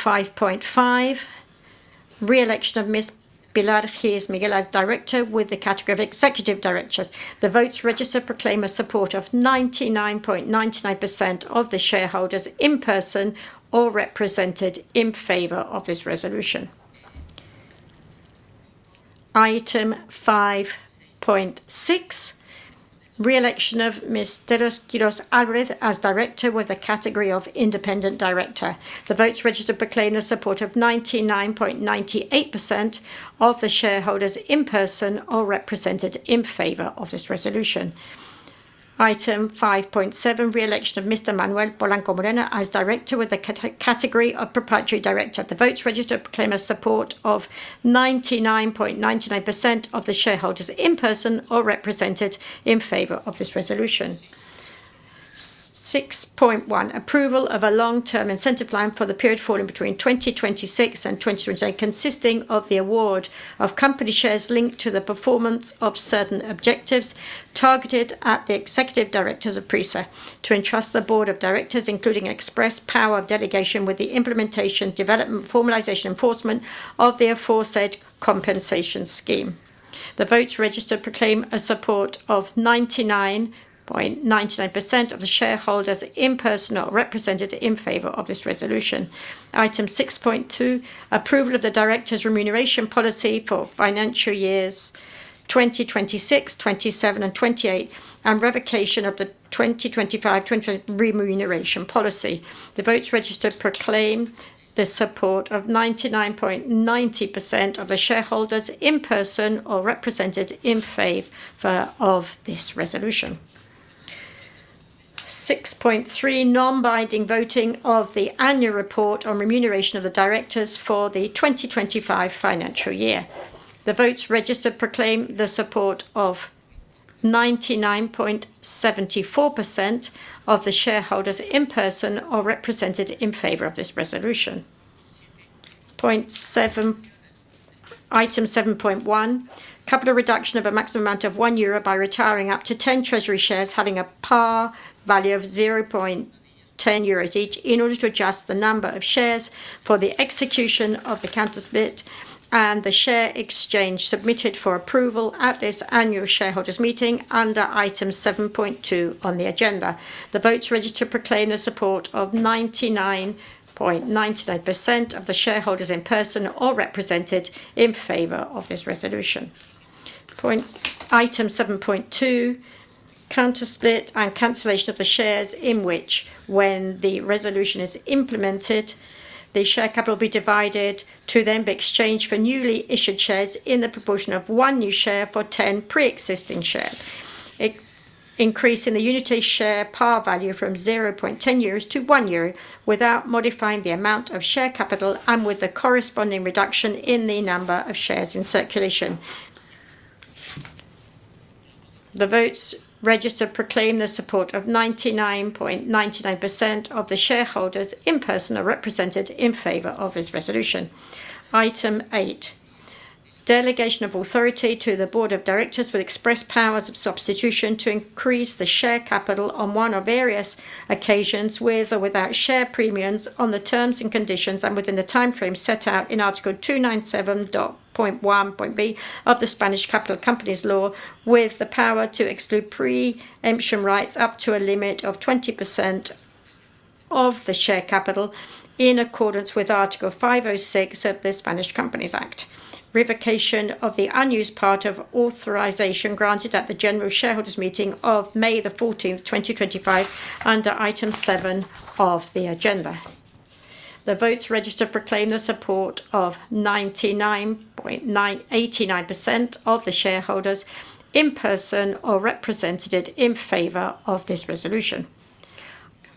5.5, re-election of Ms. Pilar Gil Miguel as director with the category of executive director. The votes registered proclaim a support of 99.99% of the shareholders in person or represented in favor of this resolution. Item 5.6 re-election of Ms. Teresa Quirós Álvarez as director with a category of independent director. The votes registered proclaim the support of 99.98% of the shareholders, in person or represented, in favor of this resolution. Item 5.7, re-election of Mr. Manuel Polanco Moreno as director with the category of proprietary director. The votes registered proclaim the support of 99.99% of the shareholders, in person or represented, in favor of this resolution 6.1, approval of a long-term incentive plan for the period falling between 2026 and 2028, consisting of the award of company shares linked to the performance of certain objectives targeted at the executive directors of PRISA. To entrust the board of directors, including express power of delegation, with the implementation, development, formalization, and enforcement of the aforesaid compensation scheme. The votes registered proclaim a support of 99.99% of the shareholders, in person or represented, in favor of this resolution. Item 6.2, approval of the directors' remuneration policy for financial years 2026, 2027, and 2028, and revocation of the 2025 remuneration policy. The votes registered proclaim the support of 99.90% of the shareholders, in person or represented, in favor of this resolution. 6.3, non-binding voting of the annual report on remuneration of the directors for the 2025 financial year. The votes registered proclaim the support of 99.74% of the shareholders, in person or represented, in favor of this resolution. Item 7.1, capital reduction of a maximum amount of 1 euro by retiring up to 10 treasury shares having a par value of 0.10 euros each, in order to adjust the number of shares for the execution of the counter-split and the share exchange submitted for approval at this annual shareholders' meeting under item 7.2 on the agenda. The votes registered proclaim the support of 99.99% of the shareholders, in person or represented, in favor of this resolution. Item 7.2, counter-split and cancellation of the shares, in which, when the resolution is implemented, the share capital will be divided to then be exchanged for newly issued shares in the proportion of one new share for 10 pre-existing shares, increasing the unity share par value from 0.10 euros to 1 euro without modifying the amount of share capital and with the corresponding reduction in the number of shares in circulation. The votes registered proclaim the support of 99.99% of the shareholders, in person or represented, in favor of this resolution. Item eight, delegation of authority to the board of directors with express powers of substitution to increase the share capital on one or various occasions, with or without share premiums, on the terms and conditions and within the timeframe set out in Article 297.1.B of the Spanish Capital Companies Law, with the power to exclude pre-emption rights up to a limit of 20% of the share capital in accordance with Article 506 of the Spanish Companies Act. Revocation of the unused part of authorization granted at the general shareholders' meeting of May the 14th, 2025, under Item seven of the agenda. The votes registered proclaim the support of 99.89% of the shareholders, in person or represented, in favor of this resolution.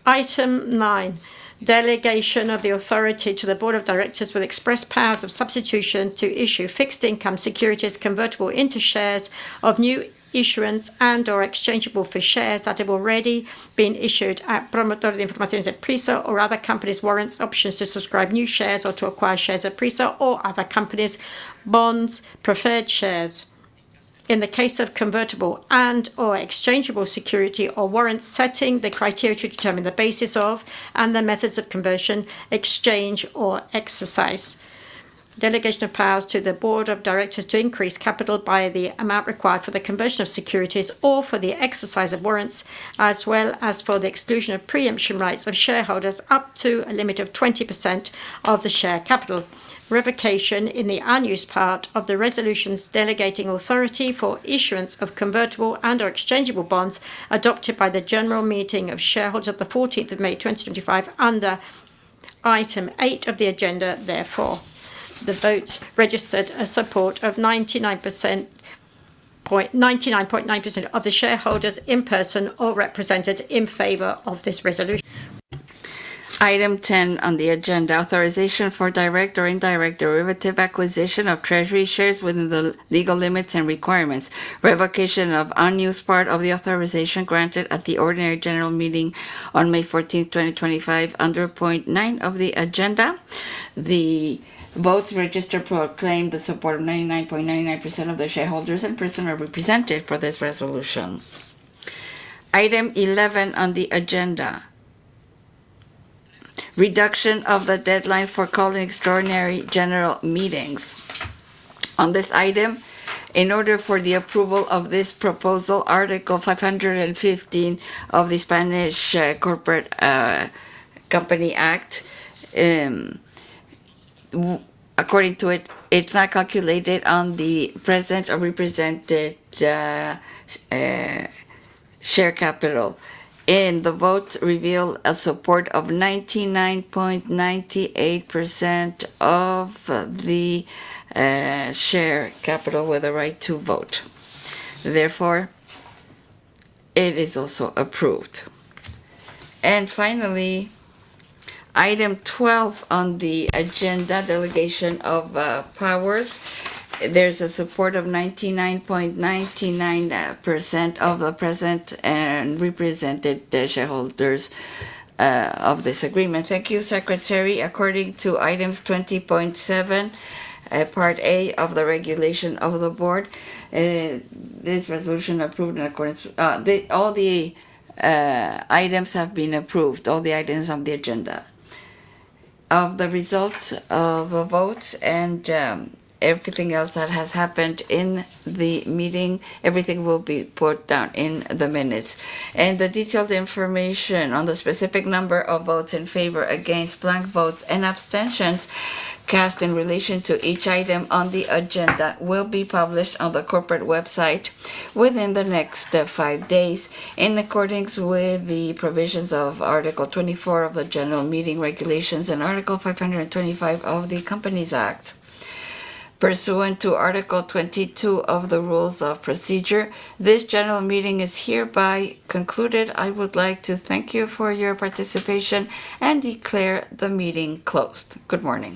Item nine, delegation of the authority to the board of directors with express powers of substitution to issue fixed-income securities convertible into shares of new issuance and/or exchangeable for shares that have already been issued at Promotora de Informaciones, S.A., PRISA, or other companies' warrants, options to subscribe new shares or to acquire shares at PRISA or other companies, bonds, preferred shares. In the case of convertible and/or exchangeable security or warrants, setting the criteria to determine the basis of and the methods of conversion, exchange, or exercise. Delegation of powers to the board of directors to increase capital by the amount required for the conversion of securities or for the exercise of warrants, as well as for the exclusion of pre-emption rights of shareholders up to a limit of 20% of the share capital. Revocation in the unused part of the resolutions delegating authority for issuance of convertible and/or exchangeable bonds adopted by the general meeting of shareholders of the 14th of May 2025 under Item eight of the agenda. The votes registered a support of 99.9% of the shareholders, in person or represented, in favor of this resolution. Item 10 on the agenda, authorization for direct or indirect derivative acquisition of treasury shares within the legal limits and requirements. Revocation of unused part of the authorization granted at the ordinary general meeting on May 14th, 2025, under Point nine of the agenda. The votes registered proclaim the support of 99.99% of the shareholders, in person or represented, for this resolution. Item 11 on the agenda, reduction of the deadline for calling extraordinary general meetings. On this item, in order for the approval of this proposal, Article 515 of the Spanish Capital Companies Act, according to it's not calculated on the present or represented share capital. The votes reveal a support of 99.98% of the share capital with the right to vote. It is also approved. Finally, item 12 on the agenda, delegation of powers. There's a support of 99.99% of the present and represented shareholders of this agreement. Thank you, Secretary. According to items 20.7, part A of the regulation of the board, this resolution approved in accordance. All the items have been approved, all the items on the agenda. Of the results of the votes and everything else that has happened in the meeting, everything will be put down in the minutes. The detailed information on the specific number of votes in favor, against, blank votes, and abstentions cast in relation to each item on the agenda will be published on the corporate website within the next five days in accordance with the provisions of Article 24 of the General Meeting Regulations and Article 525 of the Companies Act. Pursuant to Article 22 of the rules of procedure, this general meeting is hereby concluded. I would like to thank you for your participation and declare the meeting closed. Good morning.